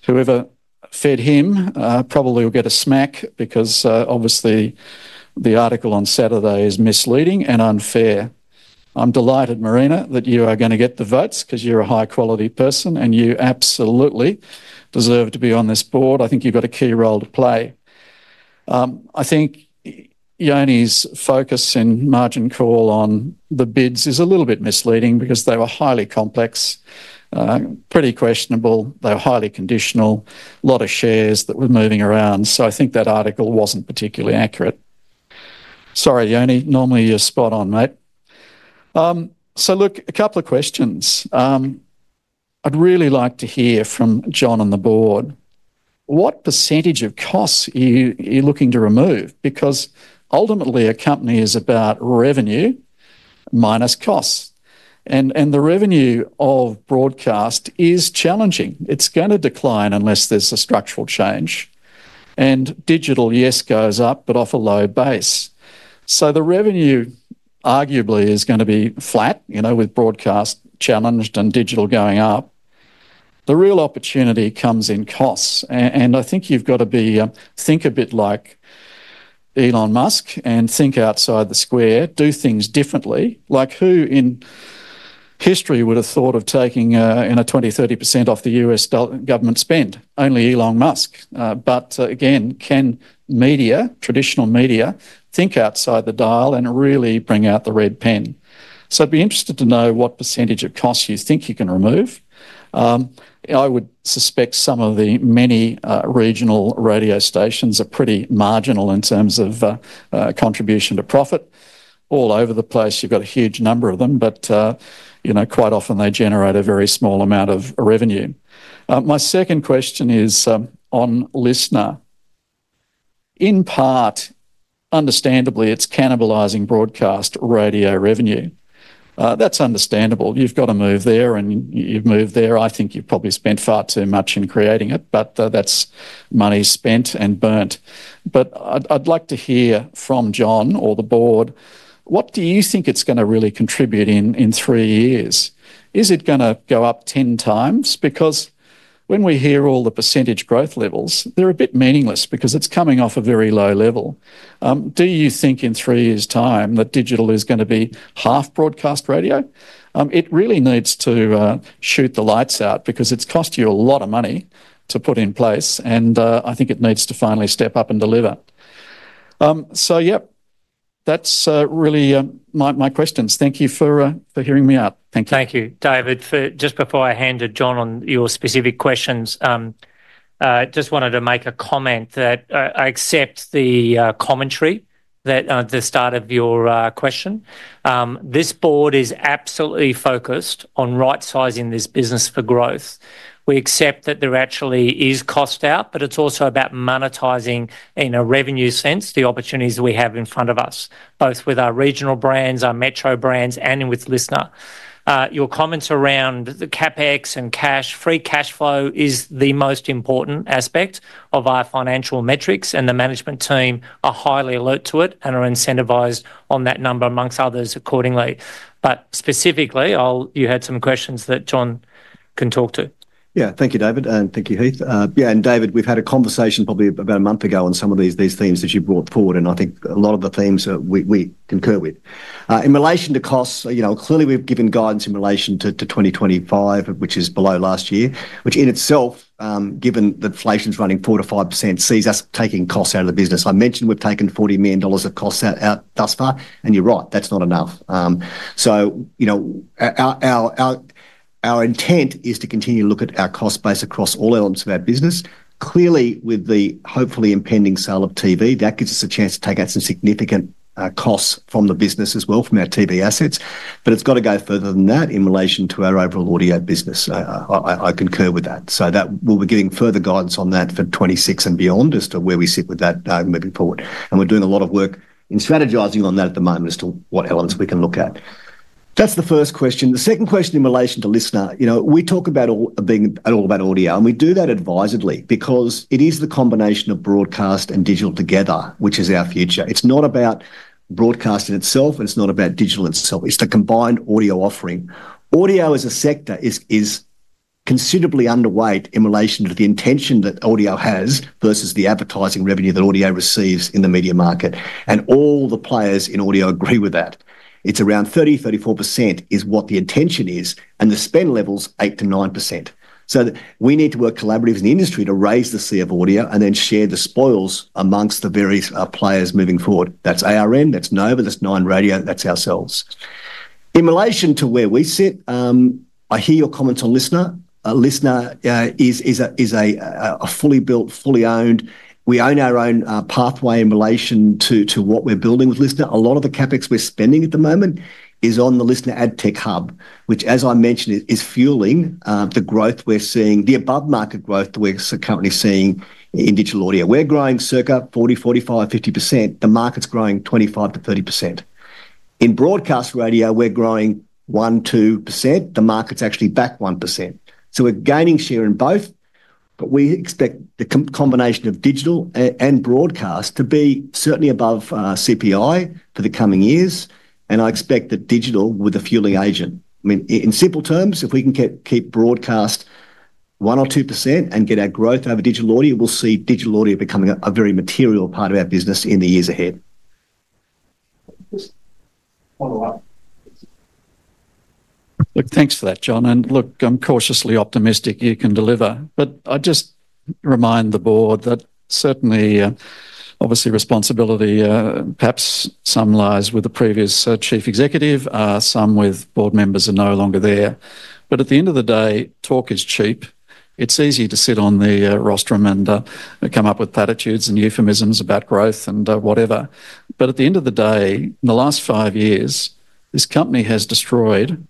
whoever fed him, probably will get a smack because obviously the article on Saturday is misleading and unfair. I'm delighted, Marina, that you are going to get the votes because you're a high-quality person and you absolutely deserve to be on this board. I think you've got a key role to play. I think Yoni's focus in his article on the bids is a little bit misleading because they were highly complex, pretty questionable. They were highly conditional, a lot of shares that were moving around. So I think that article wasn't particularly accurate. Sorry, Yoni, normally you're spot on, mate. So look, a couple of questions. I'd really like to hear from John and the board. What percentage of costs are you looking to remove? Because ultimately, a company is about revenue minus costs. And the revenue of broadcast is challenging. It's going to decline unless there's a structural change. And digital, yes, goes up, but off a low base. So the revenue arguably is going to be flat with broadcast challenged and digital going up. The real opportunity comes in costs. And I think you've got to think a bit like Elon Musk and think outside the square, do things differently. Like who in history would have thought of taking a 20%-30% off the U.S. government spend? Only Elon Musk. But again, can media, traditional media, think outside the dial and really bring out the red pen? So I'd be interested to know what percentage of costs you think you can remove. I would suspect some of the many regional radio stations are pretty marginal in terms of contribution to profit. All over the place, you've got a huge number of them, but quite often they generate a very small amount of revenue. My second question is on LiSTNR. In part, understandably, it's cannibalizing broadcast radio revenue. That's understandable. You've got to move there and you've moved there. I think you've probably spent far too much in creating it, but that's money spent and burnt. But I'd like to hear from John or the board. What do you think it's going to really contribute in three years? Is it going to go up 10 times? Because when we hear all the percentage growth levels, they're a bit meaningless because it's coming off a very low level. Do you think in three years' time that digital is going to be half broadcast radio? It really needs to shoot the lights out because it's cost you a lot of money to put in place, and I think it needs to finally step up and deliver. So yep, that's really my questions. Thank you for hearing me out. Thank you. Thank you, David. Just before I handed John on your specific questions, I just wanted to make a comment that I accept the commentary at the start of your question. This board is absolutely focused on right-sizing this business for growth. We accept that there actually is cost out, but it's also about monetizing in a revenue sense the opportunities we have in front of us, both with our regional brands, our metro brands, and with LiSTNR. Your comments around the CapEx and cash, free cash flow is the most important aspect of our financial metrics, and the management team are highly alert to it and are incentivized on that number amongst others accordingly. But specifically, you had some questions that John can talk to. Yeah, thank you, David, and thank you, Heith. Yeah, and David, we've had a conversation probably about a month ago on some of these themes that you brought forward, and I think a lot of the themes we concur with. In relation to costs, clearly we've given guidance in relation to 2025, which is below last year, which in itself, given that inflation's running 4%-5%, sees us taking costs out of the business. I mentioned we've taken 40 million dollars of costs out thus far, and you're right, that's not enough. So our intent is to continue to look at our cost base across all elements of our business. Clearly, with the hopefully impending sale of TV, that gives us a chance to take out some significant costs from the business as well, from our TV assets. But it's got to go further than that in relation to our overall audio business. I concur with that. So we'll be giving further guidance on that for 2026 and beyond as to where we sit with that moving forward. And we're doing a lot of work in strategizing on that at the moment as to what elements we can look at. That's the first question. The second question in relation to LiSTNR, we talk about being all about audio, and we do that advisedly because it is the combination of broadcast and digital together, which is our future. It's not about broadcast in itself, and it's not about digital in itself. It's the combined audio offering. Audio as a sector is considerably underweight in relation to the intention that audio has versus the advertising revenue that audio receives in the media market. And all the players in audio agree with that. It's around 30%, 34% is what the intention is, and the spend level's 8%-9%. So we need to work collaboratively as an industry to raise the sea of audio and then share the spoils amongst the various players moving forward. That's ARN, that's Nova, that's Nine Radio, that's ourselves. In relation to where we sit, I hear your comments on LiSTNR. LiSTNR, it's a fully built, fully owned. We own our own pathway in relation to what we're building with LiSTNR. A lot of the CapEx we're spending at the moment is on the LiSTNR AdTech Hub, which, as I mentioned, is fueling the growth we're seeing, the above-market growth we're currently seeing in digital audio. We're growing circa 40%, 45%, 50%. The market's growing 25%-30%. In broadcast radio, we're growing 1%-2%. The market's actually back 1%. We're gaining share in both, but we expect the combination of digital and broadcast to be certainly above CPI for the coming years. I expect that digital as a fueling agent. I mean, in simple terms, if we can keep broadcast 1% or 2% and get our growth over digital audio, we'll see digital audio becoming a very material part of our business in the years ahead. Thanks for that, John. Look, I'm cautiously optimistic you can deliver. But I just remind the board that certainly, obviously, responsibility perhaps some lies with the previous chief executive, some with board members who are no longer there. At the end of the day, talk is cheap. It's easy to sit on the rostrum and come up with platitudes and euphemisms about growth and whatever. But at the end of the day, in the last five years, this company has destroyed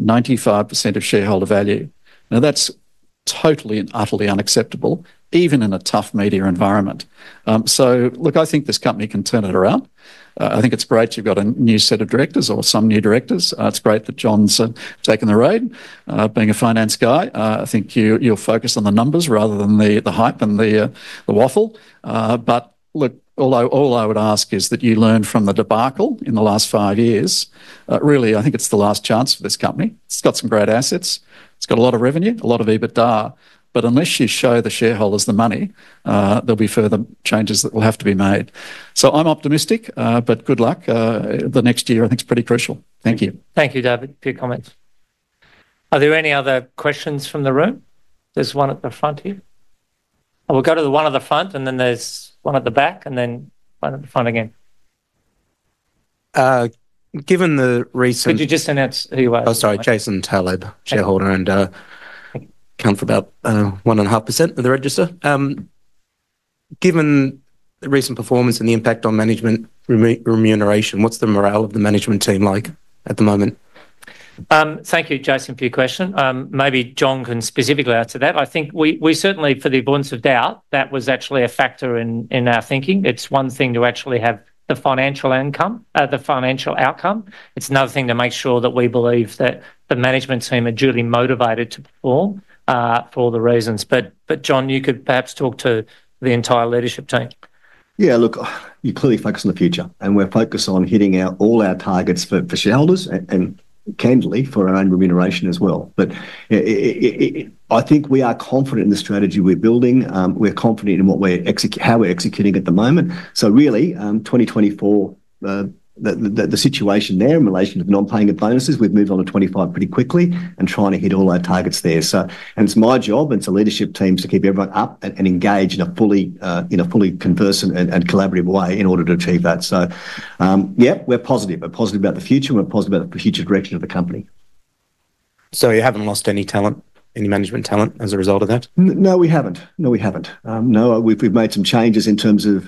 95% of shareholder value. Now, that's totally and utterly unacceptable, even in a tough media environment. So look, I think this company can turn it around. I think it's great you've got a new set of directors or some new directors. It's great that John's taken the role being a finance guy. I think you'll focus on the numbers rather than the hype and the waffle. But look, although all I would ask is that you learn from the debacle in the last five years. Really, I think it's the last chance for this company. It's got some great assets. It's got a lot of revenue, a lot of EBITDA. But unless you show the shareholders the money, there'll be further changes that will have to be made. So I'm optimistic, but good luck. The next year, I think, is pretty crucial. Thank you. Thank you, David, for your comments. Are there any other questions from the room? There's one at the front here. We'll go to the one at the front, and then there's one at the back, and then one at the front again. Given the recent... Could you just announce who you are? Oh, sorry, Jason Taleb, shareholder. I own about 1.5% of the register. Given the recent performance and the impact on management remuneration, what's the morale of the management team like at the moment? Thank you, Jason, for your question. Maybe John can specifically answer that. I think we certainly, for the avoidance of doubt, that was actually a factor in our thinking. It's one thing to actually have the financial outcome. It's another thing to make sure that we believe that the management team are duly motivated to perform for all the reasons. But John, you could perhaps talk to the entire leadership team. Yeah, look, you clearly focus on the future, and we're focused on hitting out all our targets for shareholders and candidly for our own remuneration as well. But I think we are confident in the strategy we're building. We're confident in how we're executing at the moment. So really, 2024, the situation there in relation to non-paying of bonuses, we've moved on to 2025 pretty quickly and trying to hit all our targets there. And it's my job and it's the leadership team's to keep everyone up and engaged in a fully conversant and collaborative way in order to achieve that. So yeah, we're positive. We're positive about the future, and we're positive about the future direction of the company. So you haven't lost any talent, any management talent as a result of that? No, we haven't. No, we haven't. No, we've made some changes in terms of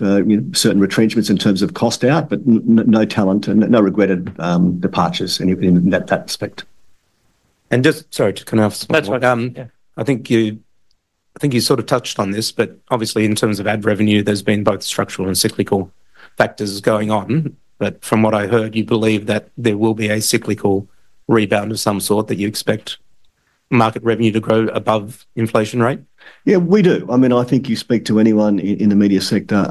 certain retrenchments in terms of cost out, but no talent and no regretted departures in that respect. And just, sorry, can I ask something? That's fine. I think you sort of touched on this, but obviously, in terms of ad revenue, there's been both structural and cyclical factors going on. But from what I heard, you believe that there will be a cyclical rebound of some sort that you expect market revenue to grow above inflation rate? Yeah, we do. I mean, I think you speak to anyone in the media sector.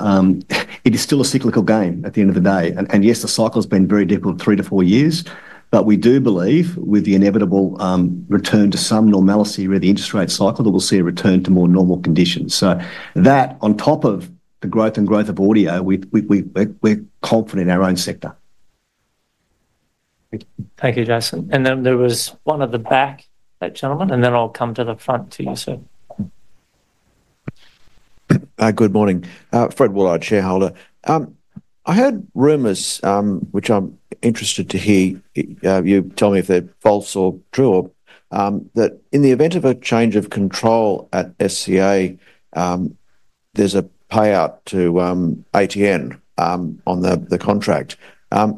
It is still a cyclical game at the end of the day. And yes, the cycle has been very difficult three to four years, but we do believe with the inevitable return to some normalcy with the interest rate cycle, that we'll see a return to more normal conditions. So that on top of the growth and growth of audio, we're confident in our own sector. Thank you, Jason. And then there was one at the back, that gentleman, and then I'll come to the front to you, sir. Good morning. Fred Woollard, shareholder. I heard rumors, which I'm interested to hear you tell me if they're false or true, that in the event of a change of control at SCA, there's a payout to ARN on the contract.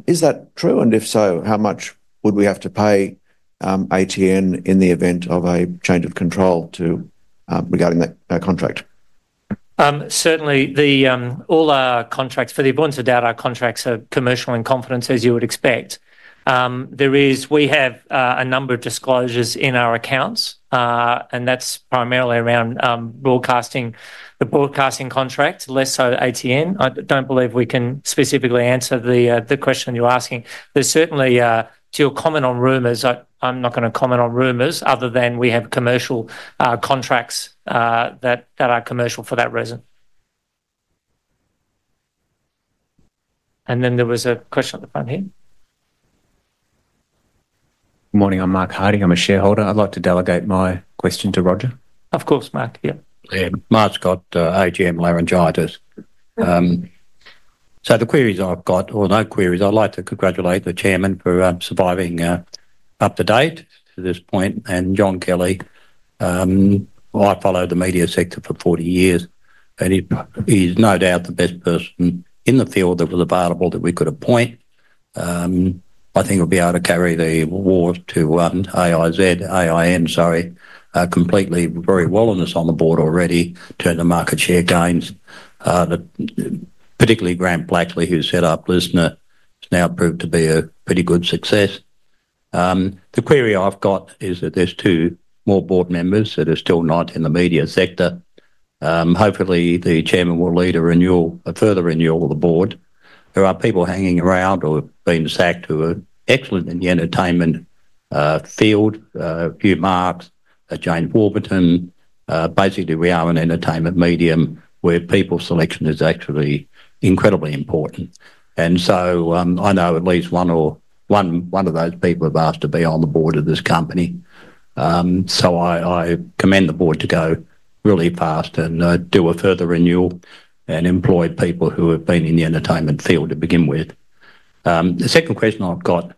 Is that true? And if so, how much would we have to pay ARN in the event of a change of control regarding that contract? Certainly, all our contracts, for the avoidance of doubt, our contracts are commercial in confidence, as you would expect. We have a number of disclosures in our accounts, and that's primarily around the broadcasting contract, less so ATN. I don't believe we can specifically answer the question you're asking. There's certainly, to your comment on rumors, I'm not going to comment on rumors other than we have commercial contracts that are commercial for that reason. And then there was a question at the front here. Good morning. I'm Mark Hardy. I'm a shareholder. I'd like to delegate my question to Roger. Of course, Mark. Yeah. Mark's got AGM laryngitis. So the queries I've got, or no queries, I'd like to congratulate the chairman for surviving up to date to this point. John Kelly, I followed the media sector for 40 years, and he's no doubt the best person in the field that was available that we could appoint. I think he'll be able to carry the war to ARN, Nine, sorry, competently very well on this on the board already, turned the market share gains. Particularly Grant Blackley, who set up LiSTNR, has now proved to be a pretty good success. The query I've got is that there's two more board members that are still not in the media sector. Hopefully, the chairman will lead a further renewal of the board. There are people hanging around or being sacked who are excellent in the entertainment field. A few names, James Warburton, basically, we are an entertainment medium where people selection is actually incredibly important. And so I know at least one of those people have asked to be on the board of this company. So I commend the board to go really fast and do a further renewal and employ people who have been in the entertainment field to begin with. The second question I've got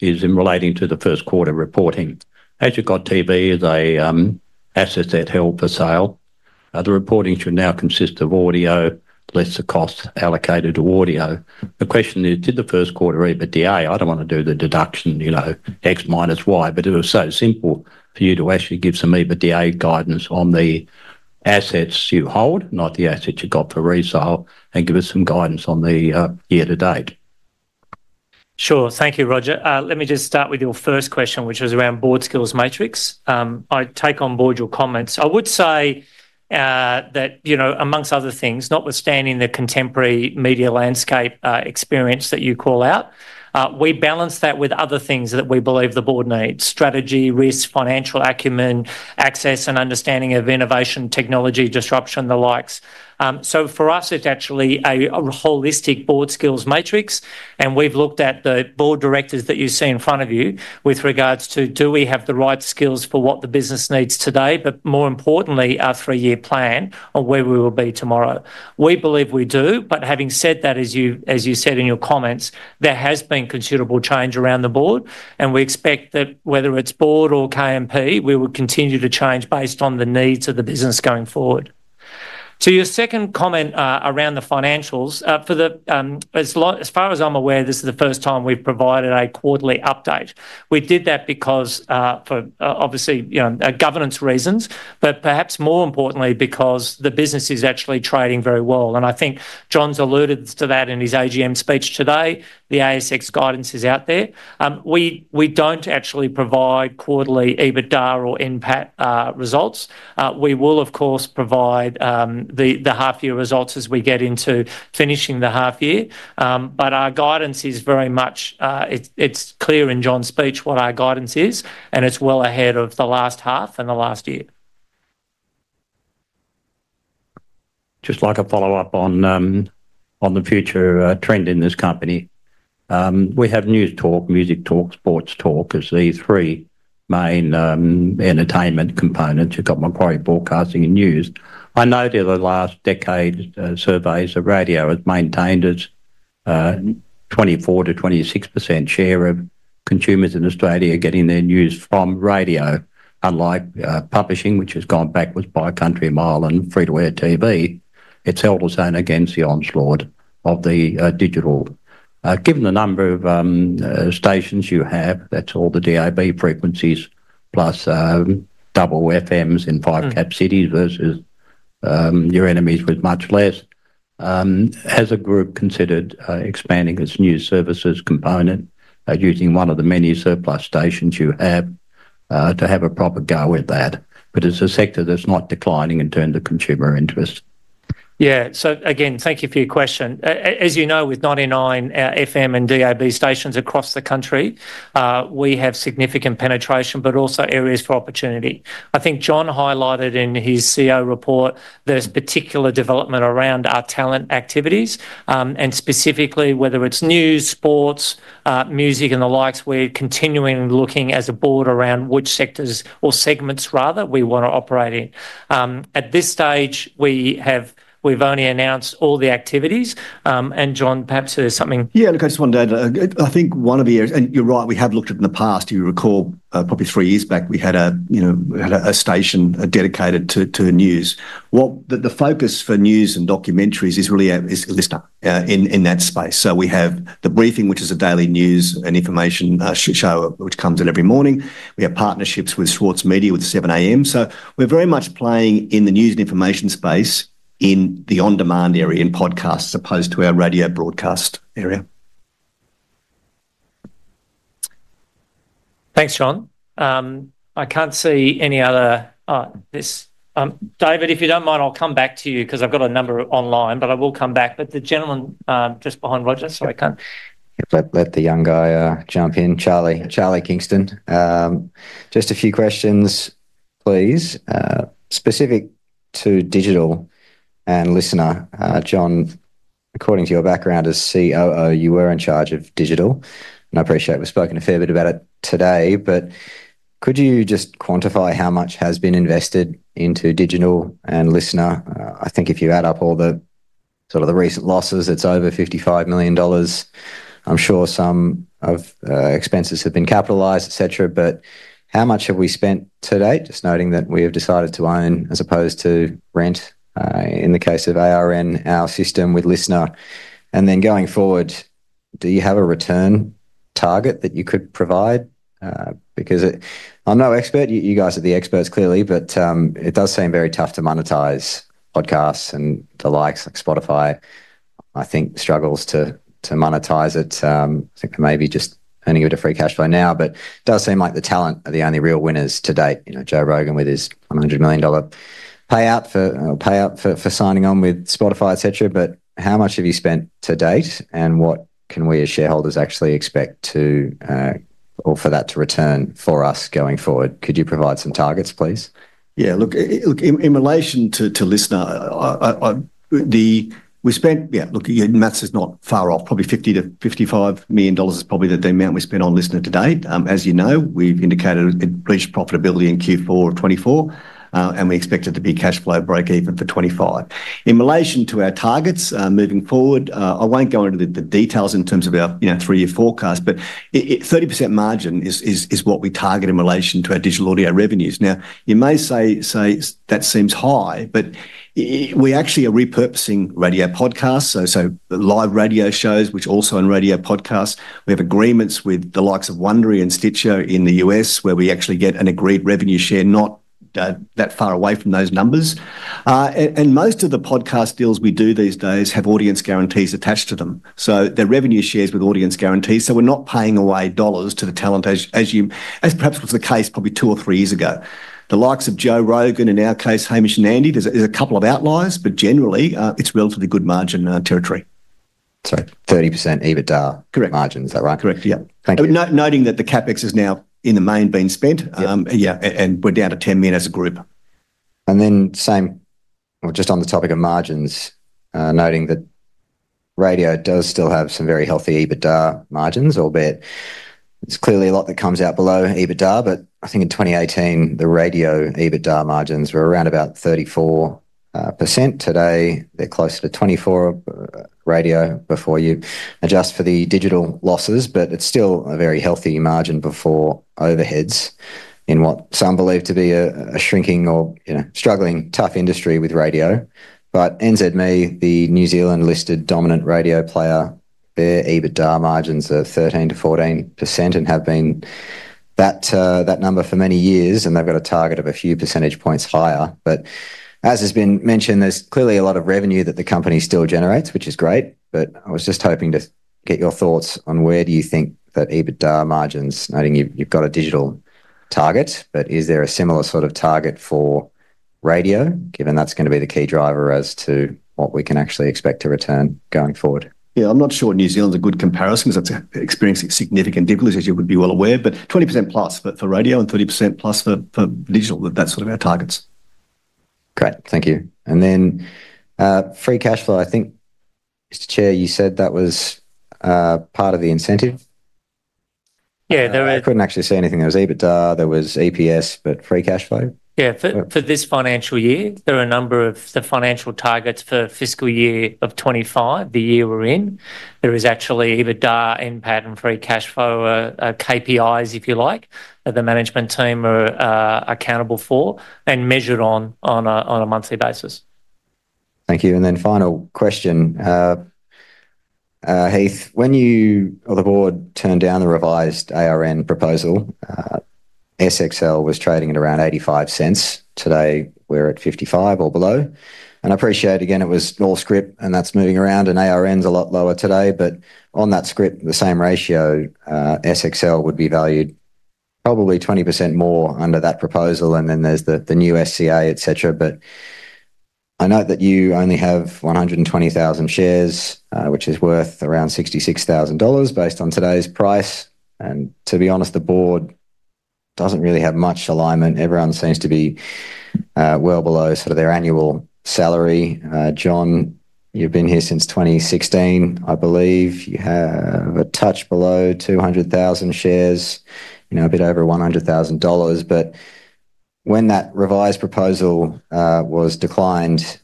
is in relating to the first quarter reporting. As you've got, TV is an asset that held for sale. The reporting should now consist of audio, less the cost allocated to audio. The question is, did the first quarter EBITDA? I don't want to do the deduction X - Y, but it was so simple for you to actually give some EBITDA guidance on the assets you hold, not the assets you've got for resale, and give us some guidance on the year to date. Sure. Thank you, Roger. Let me just start with your first question, which was around board skills matrix. I take on board your comments. I would say that, amongst other things, notwithstanding the contemporary media landscape experience that you call out, we balance that with other things that we believe the board needs: strategy, risk, financial acumen, access and understanding of innovation, technology, disruption, and the likes. So for us, it's actually a holistic board skills matrix, and we've looked at the board directors that you see in front of you with regards to do we have the right skills for what the business needs today, but more importantly, our three-year plan on where we will be tomorrow. We believe we do, but having said that, as you said in your comments, there has been considerable change around the board, and we expect that whether it's board or KMP, we will continue to change based on the needs of the business going forward. To your second comment around the financials, as far as I'm aware, this is the first time we've provided a quarterly update. We did that because, obviously, governance reasons, but perhaps more importantly, because the business is actually trading very well. And I think John's alluded to that in his AGM speech today. The ASX guidance is out there. We don't actually provide quarterly EBITDA or impairment results. We will, of course, provide the half-year results as we get into finishing the half-year, but our guidance is very much, it's clear in John's speech what our guidance is, and it's well ahead of the last half and the last year. Just like a follow-up on the future trend in this company, we have news talk, music talk, sports talk as the three main entertainment components. You've got Macquarie broadcasting and news. I know that in the last decade, surveys of radio have maintained a 24%-26% share of consumers in Australia getting their news from radio, unlike publishing, which has gone backwards by a country mile and free-to-air TV. It's held us on against the onslaught of the digital. Given the number of stations you have, that's all the DAB frequencies plus double FMs in five capital cities versus your enemies with much less, has a group considered expanding its news services component using one of the many surplus stations you have to have a proper go with that. But it's a sector that's not declining in terms of consumer interest. Yeah. So again, thank you for your question. As you know, with 99 FM and DAB stations across the country, we have significant penetration, but also areas for opportunity. I think John highlighted in his CEO report there's particular development around our talent activities, and specifically whether it's news, sports, music, and the likes. We're continuing looking as a board around which sectors or segments, rather, we want to operate in. At this stage, we've only announced all the activities. And John, perhaps there's something. Yeah, look, I just wanted to add, I think one of the areas, and you're right, we have looked at it in the past. You recall probably three years back, we had a station dedicated to news. The focus for news and documentaries is really LiSTNR in that space. So we have The Briefing, which is a daily news and information show, which comes in every morning. We have partnerships with Schwartz Media with 7am. So we're very much playing in the news and information space in the on-demand area in podcasts as opposed to our radio broadcast area. Thanks, John. I can't see any other. David, if you don't mind, I'll come back to you because I've got a number online, but I will come back. But the gentleman just behind Roger, sorry, I can't. Let the young guy jump in, Charlie Kingston. Just a few questions, please, specific to digital and LiSTNR. John, according to your background as COO, you were in charge of digital. And I appreciate we've spoken a fair bit about it today, but could you just quantify how much has been invested into digital and LiSTNR? I think if you add up all the sort of the recent losses, it's over 55 million dollars. I'm sure some of expenses have been capitalized, etc., but how much have we spent to date? Just noting that we have decided to own as opposed to rent in the case of ARN, our system with LiSTNR. And then going forward, do you have a return target that you could provide? Because I'm no expert. You guys are the experts, clearly, but it does seem very tough to monetize podcasts and the likes, like Spotify. I think struggles to monetize it. I think maybe just earning a bit of free cash flow now, but it does seem like the talent are the only real winners to date. Joe Rogan with his $100 million payout for signing on with Spotify, etc. But how much have you spent to date, and what can we as shareholders actually expect for that to return for us going forward? Could you provide some targets, please? Yeah, look, in relation to LiSTNR, we spent, yeah, look, your math is not far off. Probably 50 million-55 million dollars is probably the amount we spend on LiSTNR to date. As you know, we've indicated a breakeven profitability in Q4 of 2024, and we expect it to be cash flow break even for 2025. In relation to our targets moving forward, I won't go into the details in terms of our three-year forecast, but 30% margin is what we target in relation to our digital audio revenues. Now, you may say that seems high, but we actually are repurposing radio podcasts, so live radio shows, which also on radio podcasts. We have agreements with the likes of Wondery and Stitcher in the U.S., where we actually get an agreed revenue share not that far away from those numbers. And most of the podcast deals we do these days have audience guarantees attached to them. So they're revenue shares with audience guarantees. So we're not paying away dollars to the talent, as perhaps was the case probably two or three years ago. The likes of Joe Rogan and in our case, Hamish and Andy, there's a couple of outliers, but generally, it's relatively good margin territory. So 30% EBITDA margin, is that right? Correct. Yeah. Thank you. Noting that the CapEx is now in the main being spent. Yeah, and we're down to 10 million as a group. And then same, just on the topic of margins, noting that radio does still have some very healthy EBITDA margins, albeit it's clearly a lot that comes out below EBITDA, but I think in 2018, the radio EBITDA margins were around about 34%. Today, they're closer to 24% radio before you adjust for the digital losses, but it's still a very healthy margin before overheads in what some believe to be a shrinking or struggling tough industry with radio. But NZME, the New Zealand-listed dominant radio player, their EBITDA margins are 13%-14% and have been that number for many years, and they've got a target of a few percentage points higher. But as has been mentioned, there's clearly a lot of revenue that the company still generates, which is great, but I was just hoping to get your thoughts on where do you think that EBITDA margins, noting you've got a digital target, but is there a similar sort of target for radio, given that's going to be the key driver as to what we can actually expect to return going forward? Yeah, I'm not sure New Zealand's a good comparison because that's experiencing significant difficulties, as you would be well aware, but 20%+ for radio and 30%+ for digital, that's sort of our targets. Great. Thank you. And then free cash flow, I think, Mr. Chair, you said that was part of the incentive. Yeah, there was. I couldn't actually see anything. There was EBITDA, there was EPS, but free cash flow? Yeah, for this financial year, there are a number of the financial targets for fiscal year of 2025, the year we're in. There is actually EBITDA, impact, and free cash flow KPIs, if you like, that the management team are accountable for and measured on a monthly basis. Thank you. And then final question, Heith, when you or the board turned down the revised ARN proposal, SXL was trading at around 0.85. Today, we're at 0.55 or below. And I appreciate, again, it was all scrip, and that's moving around, and ARN's a lot lower today, but on that scrip, the same ratio, SXL would be valued probably 20% more under that proposal, and then there's the new SCA, etc. But I know that you only have 120,000 shares, which is worth around 66,000 dollars based on today's price. And to be honest, the board doesn't really have much alignment. Everyone seems to be well below sort of their annual salary. John, you've been here since 2016, I believe. You have a touch below 200,000 shares, a bit over 100,000 dollars. But when that revised proposal was declined,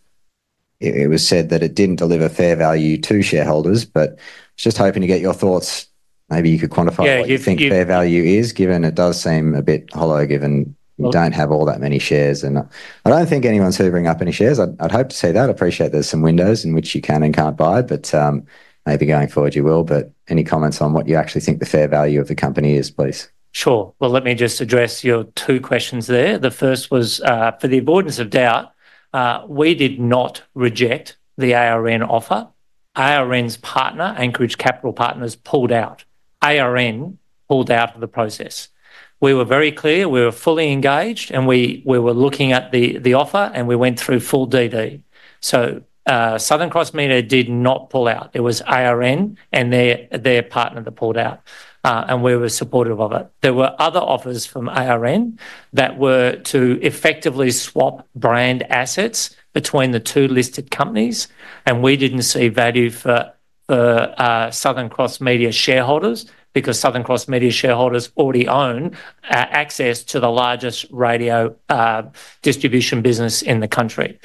it was said that it didn't deliver fair value to shareholders, but I was just hoping to get your thoughts. Maybe you could quantify what you think fair value is, given it does seem a bit hollow, given you don't have all that many shares. And I don't think anyone's hoovering up any shares. I'd hope to see that. I appreciate there's some windows in which you can and can't buy, but maybe going forward you will. But any comments on what you actually think the fair value of the company is, please? Sure. Well, let me just address your two questions there. The first was, for the avoidance of doubt, we did not reject the ARN offer. ARN's partner, Anchorage Capital Partners, pulled out. ARN pulled out of the process. We were very clear. We were fully engaged, and we were looking at the offer, and we went through full DD. So Southern Cross Media did not pull out. It was ARN and their partner that pulled out, and we were supportive of it. There were other offers from ARN that were to effectively swap brand assets between the two listed companies, and we didn't see value for Southern Cross Media shareholders because Southern Cross Media shareholders already own access to the largest radio distribution business in the country.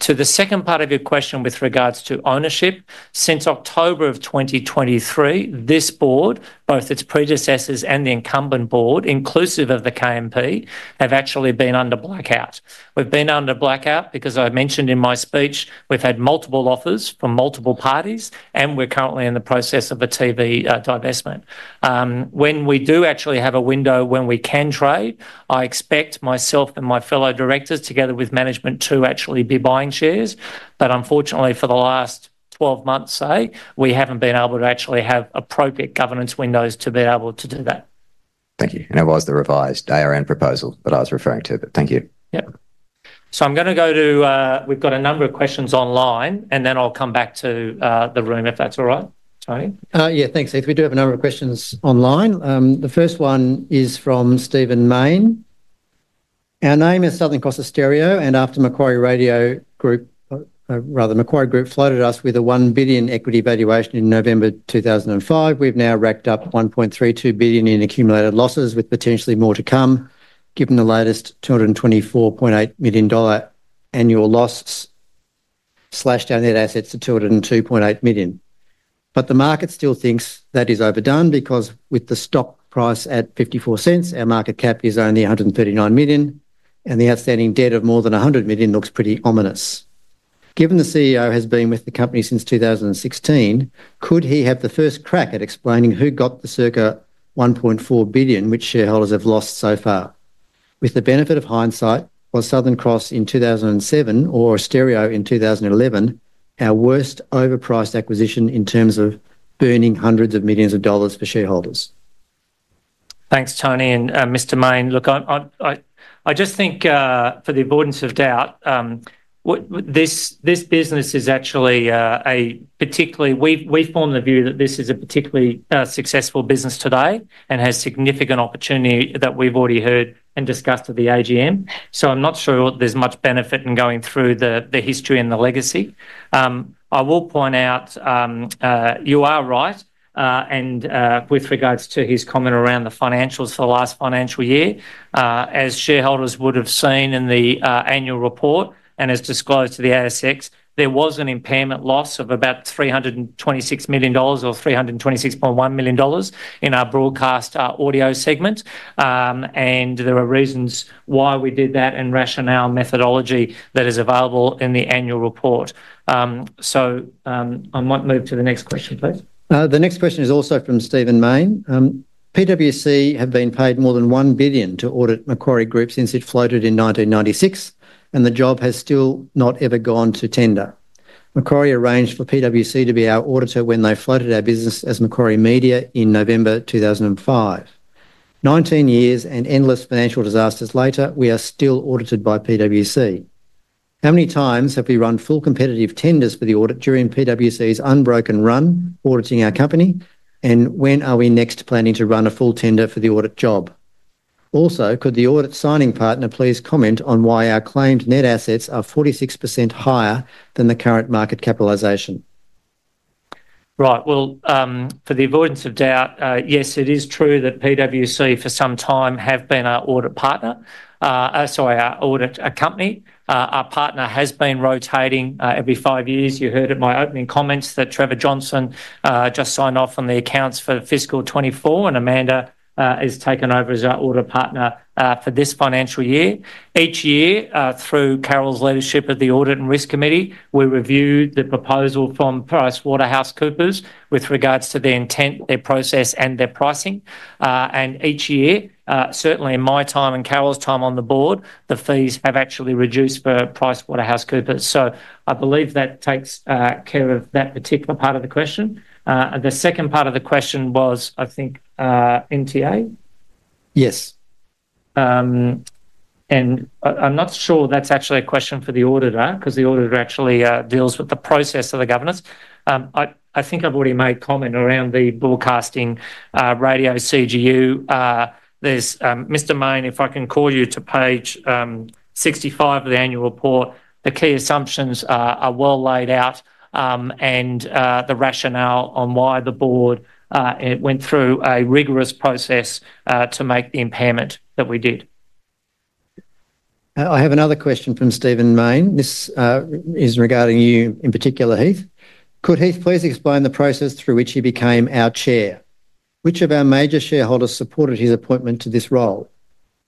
To the second part of your question with regards to ownership, since October of 2023, this board, both its predecessors and the incumbent board, inclusive of the KMP, have actually been under blackout. We've been under blackout because, as I mentioned in my speech, we've had multiple offers from multiple parties, and we're currently in the process of a TV divestment. When we do actually have a window when we can trade, I expect myself and my fellow directors, together with management, to actually be buying shares. But unfortunately, for the last 12 months, say, we haven't been able to actually have appropriate governance windows to be able to do that. Thank you. And it was the revised ARN proposal that I was referring to, but thank you. Yeah. So I'm going to go to—we've got a number of questions online, and then I'll come back to the room if that's all right, Tony. Yeah, thanks, Heith. We do have a number of questions online. The first one is from Stephen Mayne. Our name is Southern Cross Austereo, and after Macquarie Radio Group, rather, Macquarie Group floated us with a 1 billion equity valuation in November 2005, we've now racked up 1.32 billion in accumulated losses, with potentially more to come, given the latest 224.8 million dollar annual loss slashed down net assets to 202.8 million. The market still thinks that is overdone because with the stock price at 0.54, our market cap is only 139 million, and the outstanding debt of more than 100 million looks pretty ominous. Given the CEO has been with the company since 2016, could he have the first crack at explaining who got the circa 1.4 billion which shareholders have lost so far? With the benefit of hindsight, was Southern Cross in 2007 or Austereo in 2011 our worst overpriced acquisition in terms of burning hundreds of millions of dollars for shareholders? Thanks, Tony. And Mr. Mayne, look, I just think for the avoidance of doubt, this business is actually a particularly. We form the view that this is a particularly successful business today and has significant opportunity that we've already heard and discussed at the AGM. So I'm not sure there's much benefit in going through the history and the legacy. I will point out you are right, and with regards to his comment around the financials for the last financial year, as shareholders would have seen in the annual report and as disclosed to the ASX, there was an impairment loss of about 326 million dollars or 326.1 million dollars in our broadcast audio segment. And there are reasons why we did that and rationale methodology that is available in the annual report. So I might move to the next question, please. The next question is also from Stephen Mayne. PwC have been paid more than 1 billion to audit Macquarie Group since it floated in 1996, and the job has still not ever gone to tender. Macquarie arranged for PwC to be our auditor when they floated our business as Macquarie Media in November 2005. 19 years and endless financial disasters later, we are still audited by PwC. How many times have we run full competitive tenders for the audit during PwC's unbroken run auditing our company, and when are we next planning to run a full tender for the audit job? Also, could the audit signing partner please comment on why our claimed net assets are 46% higher than the current market capitalization? Right. Well, for the avoidance of doubt, yes, it is true that PwC for some time have been our audit partner. Sorry, our audit company. Our partner has been rotating every five years. You heard at my opening comments that Trevor Johnson just signed off on the accounts for fiscal 2024, and Amanda has taken over as our audit partner for this financial year. Each year, through Carole's leadership of the Audit and Risk Committee, we review the proposal from PricewaterhouseCoopers with regards to their intent, their process, and their pricing. And each year, certainly in my time and Carole's time on the board, the fees have actually reduced for PricewaterhouseCoopers. So I believe that takes care of that particular part of the question. The second part of the question was, I think, NTA? Yes. And I'm not sure that's actually a question for the auditor because the auditor actually deals with the process of the governance. I think I've already made comment around the broadcasting radio CGU. Mr. Mayne, if I can call you to page 65 of the annual report, the key assumptions are well laid out and the rationale on why the board went through a rigorous process to make the impairment that we did. I have another question from Stephen Mayne. This is regarding you in particular, Heith. Could Heith please explain the process through which he became our Chair? Which of our major shareholders supported his appointment to this role?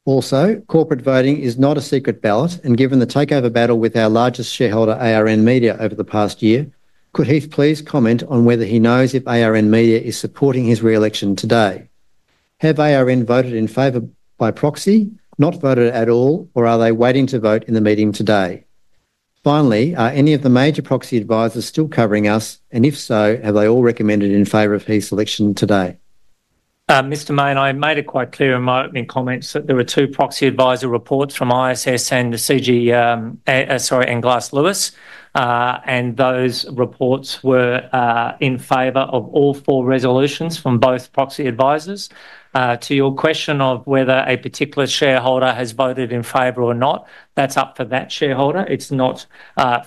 Also, corporate voting is not a secret ballot, and given the takeover battle with our largest shareholder, ARN Media, over the past year, could Heith please comment on whether he knows if ARN Media is supporting his re-election today? Have ARN voted in favour by proxy, not voted at all, or are they waiting to vote in the meeting today? Finally, are any of the major proxy advisors still covering us, and if so, have they all recommended in favor of his selection today? Mr. Mayne, I made it quite clear in my opening comments that there were two proxy advisor reports from ISS and Glass Lewis, and those reports were in favor of all four resolutions from both proxy advisors. To your question of whether a particular shareholder has voted in favor or not, that's up for that shareholder. It's not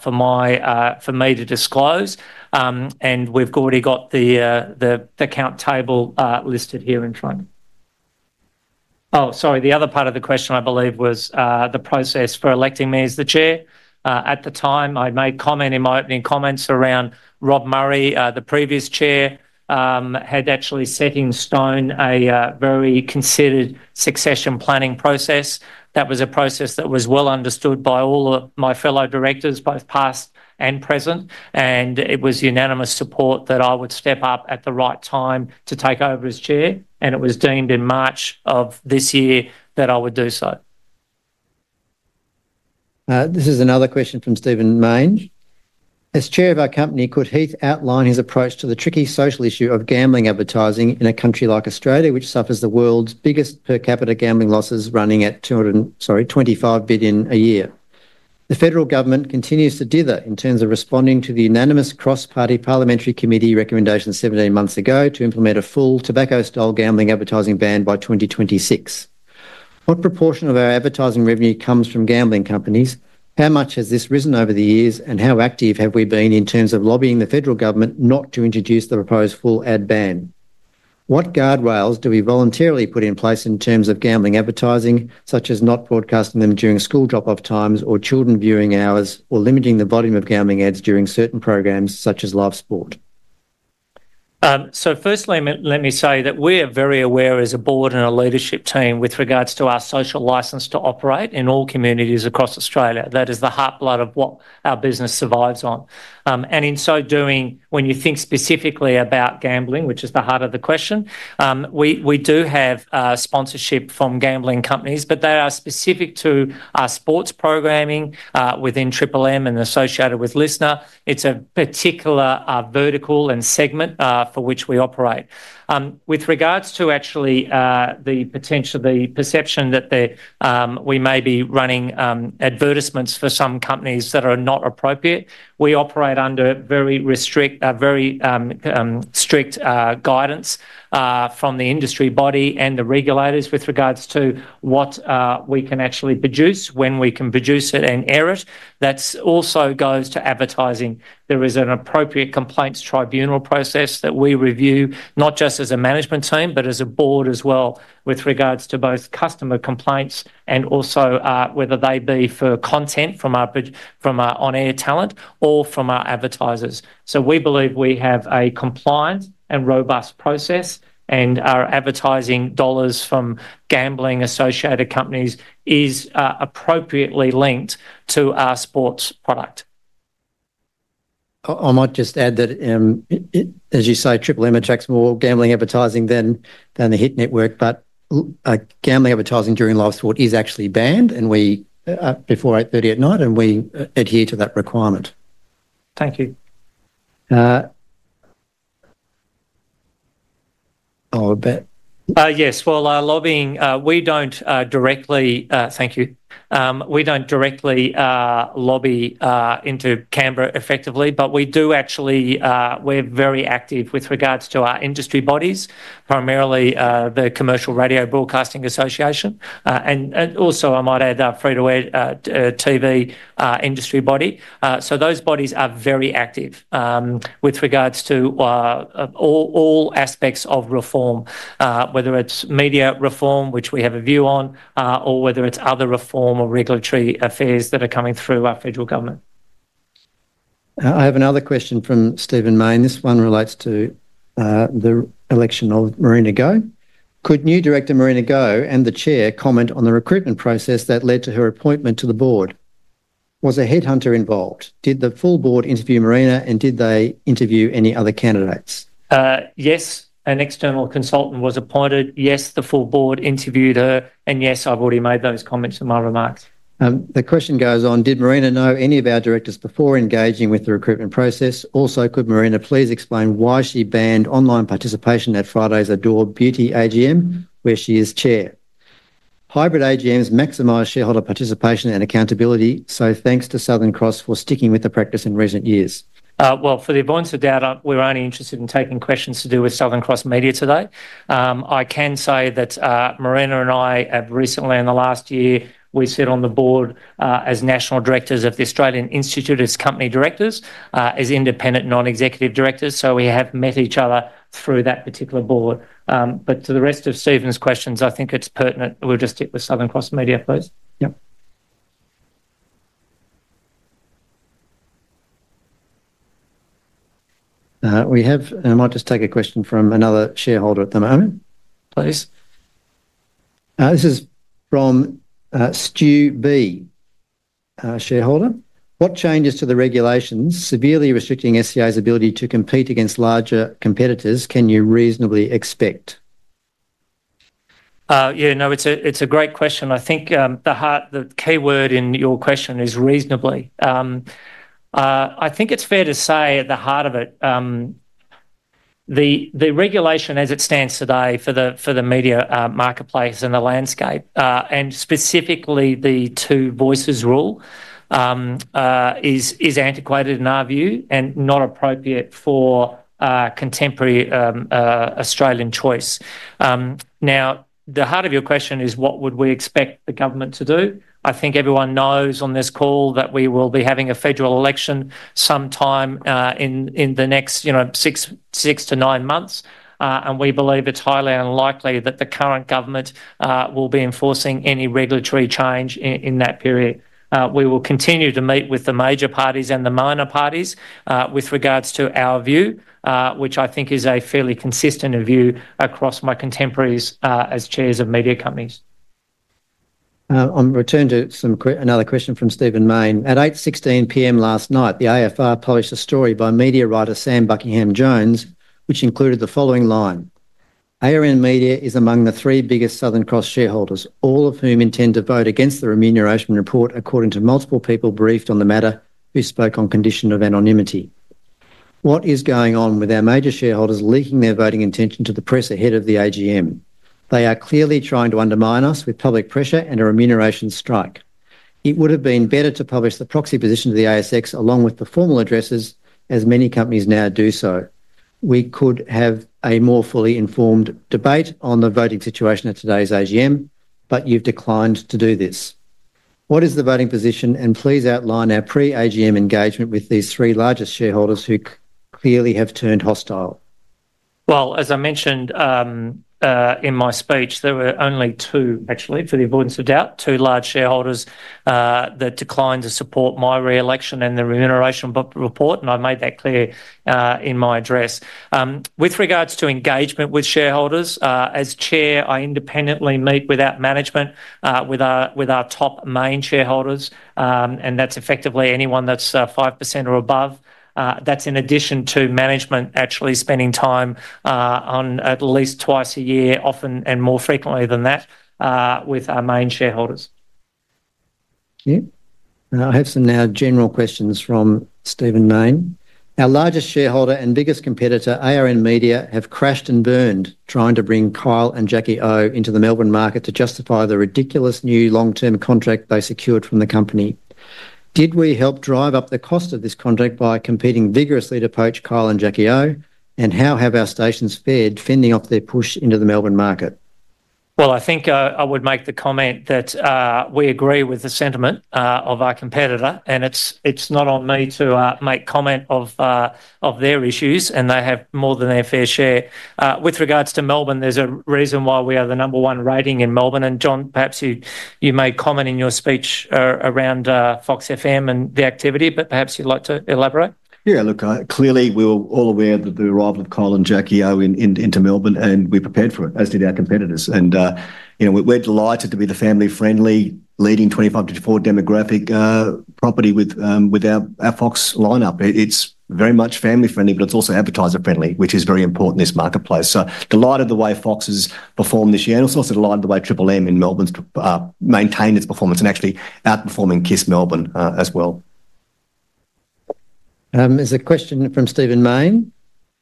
for me to disclose, and we've already got the count table listed here in front. Oh, sorry, the other part of the question, I believe, was the process for electing me as the Chair. At the time, I made comment in my opening comments around Rob Murray, the previous Chair, had actually set in stone a very considered succession planning process. That was a process that was well understood by all of my fellow directors, both past and present, and it was unanimous support that I would step up at the right time to take over as Chair, and it was deemed in March of this year that I would do so. This is another question from Stephen Mayne. As Chair of our company, could Heith outline his approach to the tricky social issue of gambling advertising in a country like Australia, which suffers the world's biggest per capita gambling losses running at 25 billion a year? The federal government continues to dither in terms of responding to the unanimous cross-party parliamentary committee recommendation 17 months ago to implement a full tobacco-style gambling advertising ban by 2026. What proportion of our advertising revenue comes from gambling companies? How much has this risen over the years, and how active have we been in terms of lobbying the federal government not to introduce the proposed full ad ban? What guardrails do we voluntarily put in place in terms of gambling advertising, such as not broadcasting them during school drop-off times or children viewing hours, or limiting the volume of gambling ads during certain programs such as live sport? So firstly, let me say that we are very aware as a board and a leadership team with regards to our social license to operate in all communities across Australia. That is the lifeblood of what our business survives on. And in so doing, when you think specifically about gambling, which is the heart of the question, we do have sponsorship from gambling companies, but they are specific to our sports programming within and associated with LiSTNR. It's a particular vertical and segment for which we operate. With regards to actually the perception that we may be running advertisements for some companies that are not appropriate, we operate under very strict guidance from the industry body and the regulators with regards to what we can actually produce, when we can produce it and air it. That also goes to advertising. There is an appropriate complaints tribunal process that we review, not just as a management team, but as a board as well with regards to both customer complaints and also whether they be for content from our on-air talent or from our advertisers. So we believe we have a compliant and robust process, and our advertising dollars from gambling-associated companies is appropriately linked to our sports product. I might just add that, as you say, attracts more gambling advertising than the Hit Network, but gambling advertising during live sport is actually banned before 8:30 P.M., and we adhere to that requirement. Thank you. Oh, a bit. Yes. Well, lobbying, we don't directly, thank you. We don't directly lobby into Canberra effectively, but we do actually, we're very active with regards to our industry bodies, primarily the Commercial Radio Broadcasting Association. And also, I might add Free TV industry body. So those bodies are very active with regards to all aspects of reform, whether it's media reform, which we have a view on, or whether it's other reform or regulatory affairs that are coming through our federal government. I have another question from Stephen Mayne. This one relates to the election of Marina Go. Could new director Marina Go and the chair comment on the recruitment process that led to her appointment to the board? Was a headhunter involved? Did the full board interview Marina, and did they interview any other candidates? Yes, an external consultant was appointed. Yes, the full board interviewed her, and yes, I've already made those comments in my remarks. The question goes on: Did Marina know any of our directors before engaging with the recruitment process? Also, could Marina please explain why she banned online participation at Friday's Adore Beauty AGM, where she is chair? Hybrid AGMs maximize shareholder participation and accountability, so thanks to Southern Cross for sticking with the practice in recent years. For the avoidance of doubt, we're only interested in taking questions to do with Southern Cross Media today. I can say that Marina and I have recently, in the last year, we sit on the board as national directors of the Australian Institute of Company Directors as independent non-executive directors. So we have met each other through that particular board. But to the rest of Stephen's questions, I think it's pertinent. We'll just stick with Southern Cross Media, please. Yep. We have—and I might just take a question from another shareholder at the moment. Please. This is from Stu B, shareholder. What changes to the regulations severely restricting SCA's ability to compete against larger competitors can you reasonably expect? Yeah, no, it's a great question. I think the key word in your question is reasonably. I think it's fair to say at the heart of it, the regulation as it stands today for the media marketplace and the landscape, and specifically the Two Voices Rule, is antiquated in our view and not appropriate for contemporary Australian choice. Now, the heart of your question is what would we expect the government to do? I think everyone knows on this call that we will be having a federal election sometime in the next six to nine months, and we believe it's highly unlikely that the current government will be enforcing any regulatory change in that period. We will continue to meet with the major parties and the minor parties with regards to our view, which I think is a fairly consistent view across my contemporaries as chairs of media companies. I'm going to return to another question from Stephen Mayne. At 8:16 P.M. last night, the AFR published a story by media writer Sam Buckingham-Jones, which included the following line: "ARN Media is among the three biggest Southern Cross shareholders, all of whom intend to vote against the remuneration report according to multiple people briefed on the matter who spoke on condition of anonymity." What is going on with our major shareholders leaking their voting intention to the press ahead of the AGM? They are clearly trying to undermine us with public pressure and a remuneration strike. It would have been better to publish the proxy position to the ASX along with the formal addresses, as many companies now do so. We could have a more fully informed debate on the voting situation at today's AGM, but you've declined to do this. What is the voting position, and please outline our pre-AGM engagement with these three largest shareholders who clearly have turned hostile?" Well, as I mentioned in my speech, there were only two, actually, for the avoidance of doubt, two large shareholders that declined to support my re-election and the remuneration report, and I made that clear in my address. With regards to engagement with shareholders, as Chair, I independently meet with our management, with our top main shareholders, and that's effectively anyone that's 5% or above. That's in addition to management actually spending time at least twice a year, often and more frequently than that, with our main shareholders. I now have some general questions from Stephen Mayne. Our largest shareholder and biggest competitor, ARN Media, have crashed and burned trying to bring Kyle and Jackie O into the Melbourne market to justify the ridiculous new long-term contract they secured from the company. Did we help drive up the cost of this contract by competing vigorously to poach Kyle and Jackie O, and how have our stations fared fending off their push into the Melbourne market? Well, I think I would make the comment that we agree with the sentiment of our competitor, and it's not on me to make comment of their issues, and they have more than their fair share. With regards to Melbourne, there's a reason why we are the number one rating in Melbourne, and John, perhaps you made comment in your speech around Fox FM and the activity, but perhaps you'd like to elaborate? Yeah, look, clearly we were all aware of the arrival of Kyle and Jackie O into Melbourne, and we prepared for it, as did our competitors, and we're delighted to be the family-friendly, leading 25-54 demographic property with our Fox lineup. It's very much family-friendly, but it's also advertiser-friendly, which is very important in this marketplace, so delighted the way Fox has performed this year, and also delighted the way in Melbourne has maintained its performance and actually outperforming KIIS Melbourne as well. There's a question from Stephen Mayne.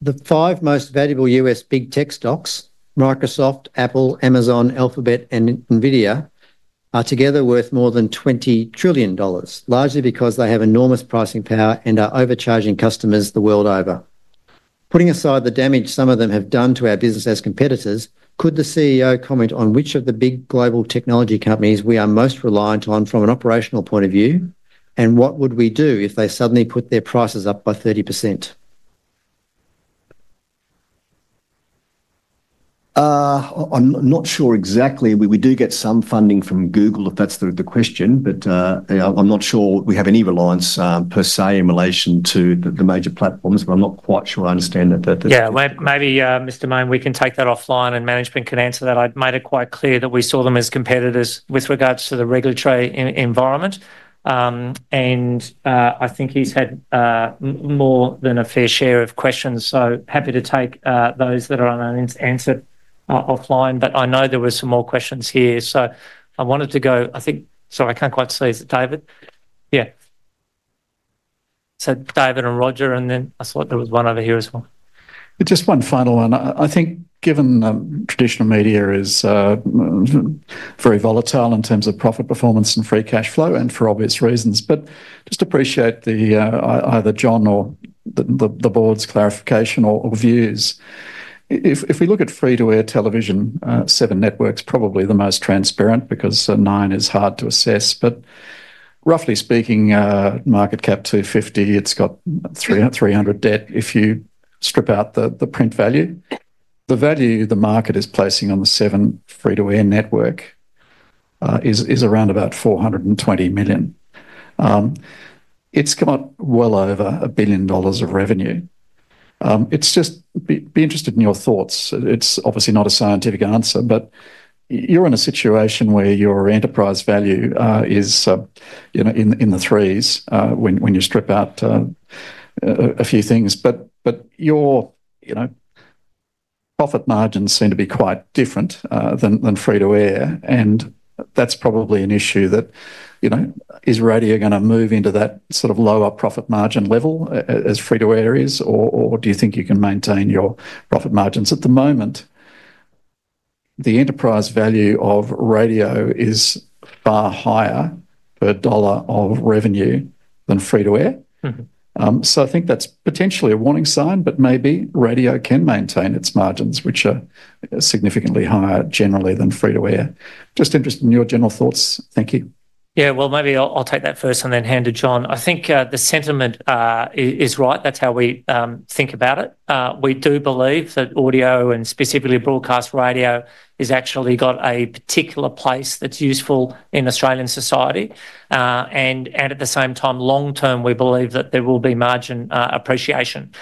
The five most valuable U.S. big tech stocks, Microsoft, Apple, Amazon, Alphabet, and Nvidia, are together worth more than $20 trillion, largely because they have enormous pricing power and are overcharging customers the world over. Putting aside the damage some of them have done to our business as competitors, could the CEO comment on which of the big global technology companies we are most reliant on from an operational point of view, and what would we do if they suddenly put their prices up by 30%? I'm not sure exactly. We do get some funding from Google, if that's the question, but I'm not sure we have any reliance per se in relation to the major platforms, but I'm not quite sure I understand that. Yeah, maybe, Mr. Mayne, we can take that offline, and management can answer that. I've made it quite clear that we saw them as competitors with regards to the regulatory environment, and I think he's had more than a fair share of questions, so happy to take those that are unanswered offline. But I know there were some more questions here, so I wanted to go. I think, sorry, I can't quite see it, David. Yeah. So David and Roger, and then I thought there was one over here as well. Just one final one. I think given traditional media is very volatile in terms of profit performance and free cash flow, and for obvious reasons, but just appreciate either John or the board's clarification or views. If we look at free-to-air television, Seven Network is probably the most transparent because Nine is hard to assess, but roughly speaking, market cap 250 million. It's got 300 million debt if you strip out the print value. The value the market is placing on the Seven free-to-air network is around about 420 million. It's got well over 1 billion dollars of revenue. It's just, be interested in your thoughts. It's obviously not a scientific answer, but you're in a situation where your enterprise value is in the threes when you strip out a few things, but your profit margins seem to be quite different than free-to-air, and that's probably an issue that is radio going to move into that sort of lower profit margin level as free-to-air is, or do you think you can maintain your profit margins? At the moment, the enterprise value of radio is far higher per dollar of revenue than free-to-air. So I think that's potentially a warning sign, but maybe radio can maintain its margins, which are significantly higher generally than free-to-air. Just interested in your general thoughts. Thank you. Yeah, well, maybe I'll take that first and then hand it to John. I think the sentiment is right. That's how we think about it. We do believe that audio and specifically broadcast radio has actually got a particular place that's useful in Australian society, and at the same time, long term, we believe that there will be margin appreciation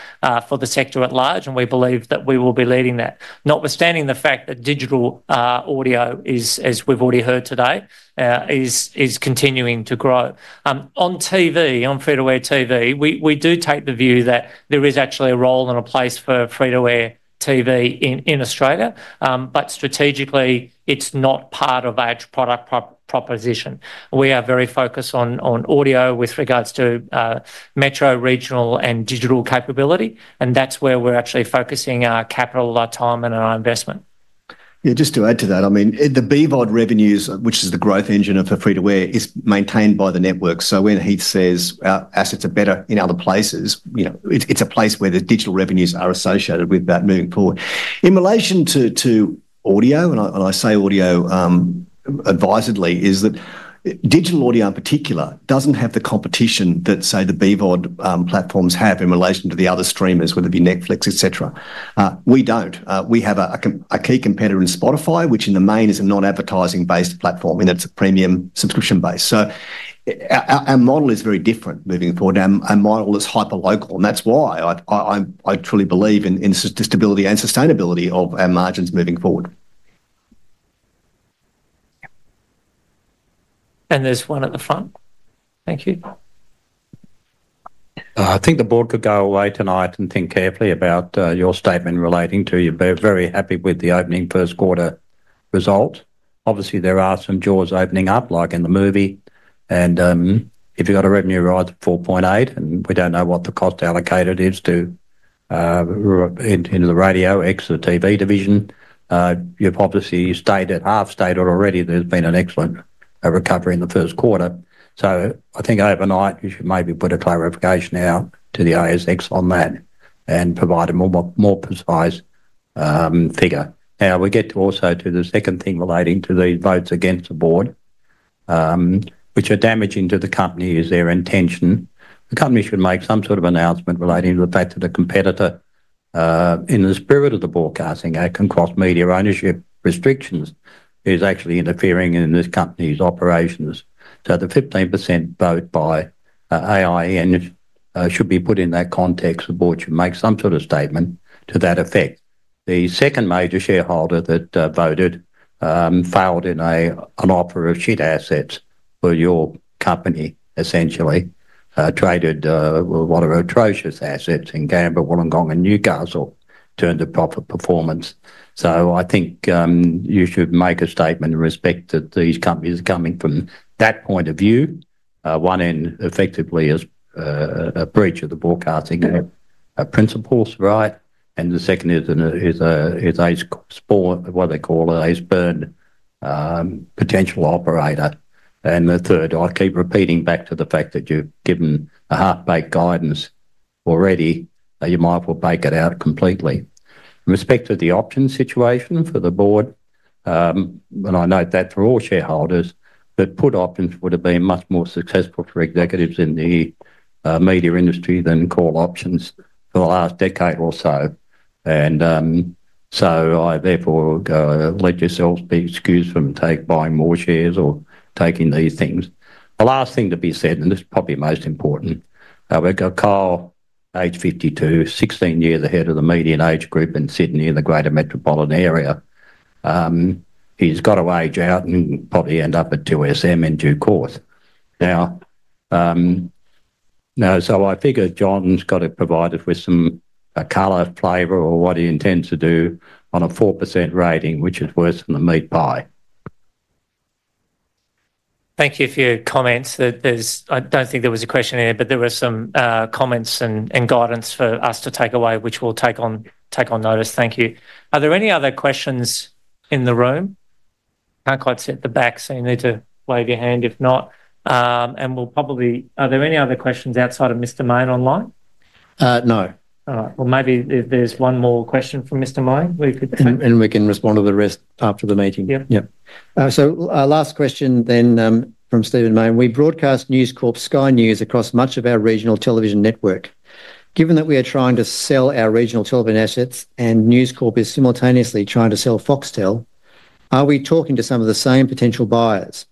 for the sector at large, and we believe that we will be leading that, notwithstanding the fact that digital audio, as we've already heard today, is continuing to grow. On TV, on free-to-air TV, we do take the view that there is actually a role and a place for free-to-air TV in Australia, but strategically, it's not part of our product proposition. We are very focused on audio with regards to metro, regional, and digital capability, and that's where we're actually focusing our capital, our time, and our investment. Yeah, just to add to that, I mean, the BVOD revenues, which is the growth engine of the free-to-air, are maintained by the network, so when he says our assets are better in other places, it's a place where the digital revenues are associated with that moving forward. In relation to audio, and I say audio advisedly, is that digital audio in particular doesn't have the competition that, say, the BVOD platforms have in relation to the other streamers, whether it be Netflix, etc. We don't. We have a key competitor in Spotify, which in the main is a non-advertising-based platform, and it's a premium subscription base. So our model is very different moving forward, and our model is hyper-local, and that's why I truly believe in the stability and sustainability of our margins moving forward. And there's one at the front. Thank you. I think the board could go away tonight and think carefully about your statement relating to you're very happy with the opening first quarter result. Obviously, there are some jaws opening up, like in the movie, and if you've got a revenue rise of 4.8%, and we don't know what the cost allocated is into the radio exit TV division, you've obviously stated, half stated already, there's been an excellent recovery in the first quarter. So I think overnight, you should maybe put a clarification out to the ASX on that and provide a more precise figure. Now, we get also to the second thing relating to the votes against the board, which are damaging to the company is their intention. The company should make some sort of announcement relating to the fact that a competitor, in the spirit of the broadcasting, can't cross media ownership restrictions, is actually interfering in this company's operations. So the 15% vote by ARN should be put in that context. The board should make some sort of statement to that effect. The second major shareholder that voted failed in an offer of shit assets for your company, essentially traded one for atrocious assets in Gambier, Wollongong, and Newcastle turned to profit performance. So I think you should make a statement in respect that these companies are coming from that point of view. One end effectively is a breach of the broadcasting principles, right? And the second is what they call a half-arsed potential operator. The third, I keep repeating back to the fact that you've given a half-baked guidance already. You might as well bake it out completely. In respect to the options situation for the board, and I note that for all shareholders, that put options would have been much more successful for executives in the media industry than call options for the last decade or so. And so I therefore would go let yourselves be excused from buying more shares or taking these things. The last thing to be said, and this is probably most important, we've got Kyle, age 52, 16 years ahead of the median age group in Sydney in the greater metropolitan area. He's got to age out and probably end up at 2SM in due course. Now, so I figure John's got to provide us with some color, flavor, or what he intends to do on a 4% rating, which is worse than a meat pie. Thank you for your comments. I don't think there was a question here, but there were some comments and guidance for us to take away, which we'll take on notice. Thank you. Are there any other questions in the room? Can't quite see at the back, so you need to wave your hand if not. And are there any other questions outside of Mr. Mayne online? No. All right. Well, maybe if there's one more question from Mr. Mayne, we could take it. And we can respond to the rest after the meeting. Yeah. So last question then from Stephen Mayne. We broadcast News Corp Sky News across much of our regional television network. Given that we are trying to sell our regional television assets and News Corp is simultaneously trying to sell Foxtel, are we talking to some of the same potential buyers?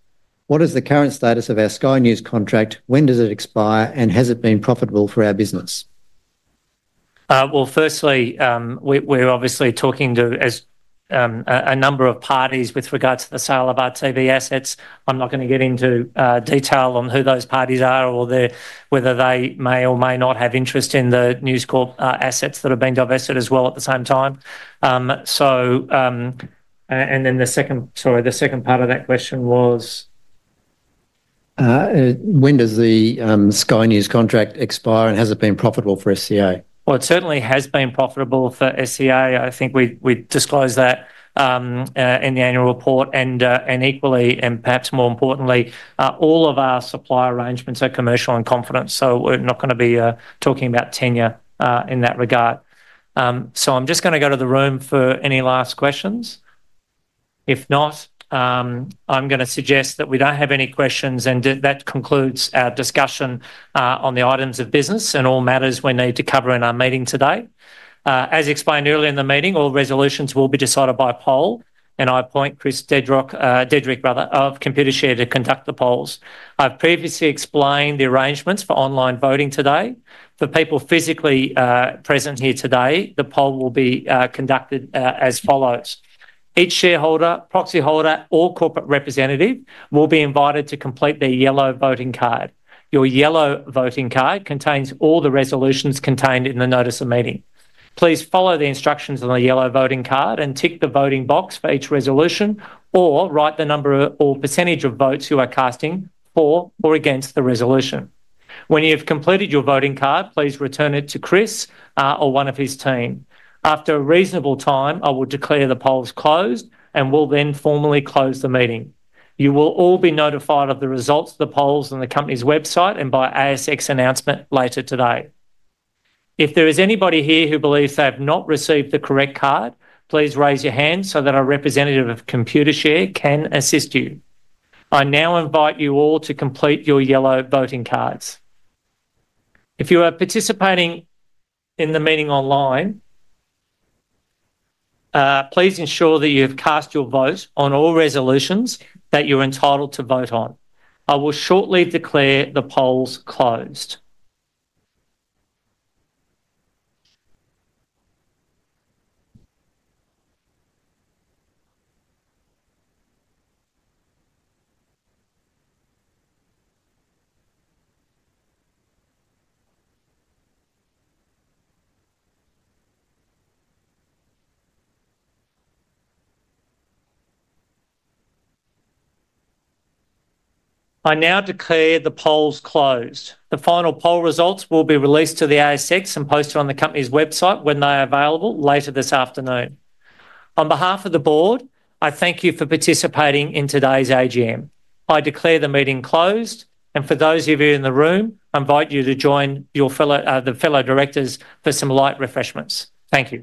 What is the current status of our Sky News contract? When does it expire, and has it been profitable for our business? Well, firstly, we're obviously talking to a number of parties with regards to the sale of our TV assets. I'm not going to get into detail on who those parties are or whether they may or may not have interest in the News Corp assets that have been divested as well at the same time. And then the second, sorry, the second part of that question was? When does the Sky News contract expire, and has it been profitable for SCA? Well, it certainly has been profitable for SCA. I think we disclose that in the annual report, and equally, and perhaps more importantly, all of our supply arrangements are commercial and confidential, so we're not going to be talking about tenure in that regard. So I'm just going to go to the room for any last questions. If not, I'm going to suggest that we don't have any questions, and that concludes our discussion on the items of business and all matters we need to cover in our meeting today. As explained earlier in the meeting, all resolutions will be decided by poll, and I appoint Chris Dedrick of Computershare to conduct the polls. I've previously explained the arrangements for online voting today. For people physically present here today, the poll will be conducted as follows. Each shareholder, proxy holder, or corporate representative will be invited to complete their yellow voting card. Your yellow voting card contains all the resolutions contained in the notice of meeting. Please follow the instructions on the yellow voting card and tick the voting box for each resolution or write the number or percentage of votes you are casting for or against the resolution. When you've completed your voting card, please return it to Chris or one of his team. After a reasonable time, I will declare the polls closed and will then formally close the meeting. You will all be notified of the results of the polls on the company's website and by ASX announcement later today. If there is anybody here who believes they have not received the correct card, please raise your hand so that a representative of Computershare can assist you. I now invite you all to complete your yellow voting cards. If you are participating in the meeting online, please ensure that you have cast your vote on all resolutions that you're entitled to vote on. I will shortly declare the polls closed. I now declare the polls closed. The final poll results will be released to the ASX and posted on the company's website when they are available later this afternoon. On behalf of the board, I thank you for participating in today's AGM. I declare the meeting closed, and for those of you in the room, I invite you to join the fellow directors for some light refreshments. Thank you.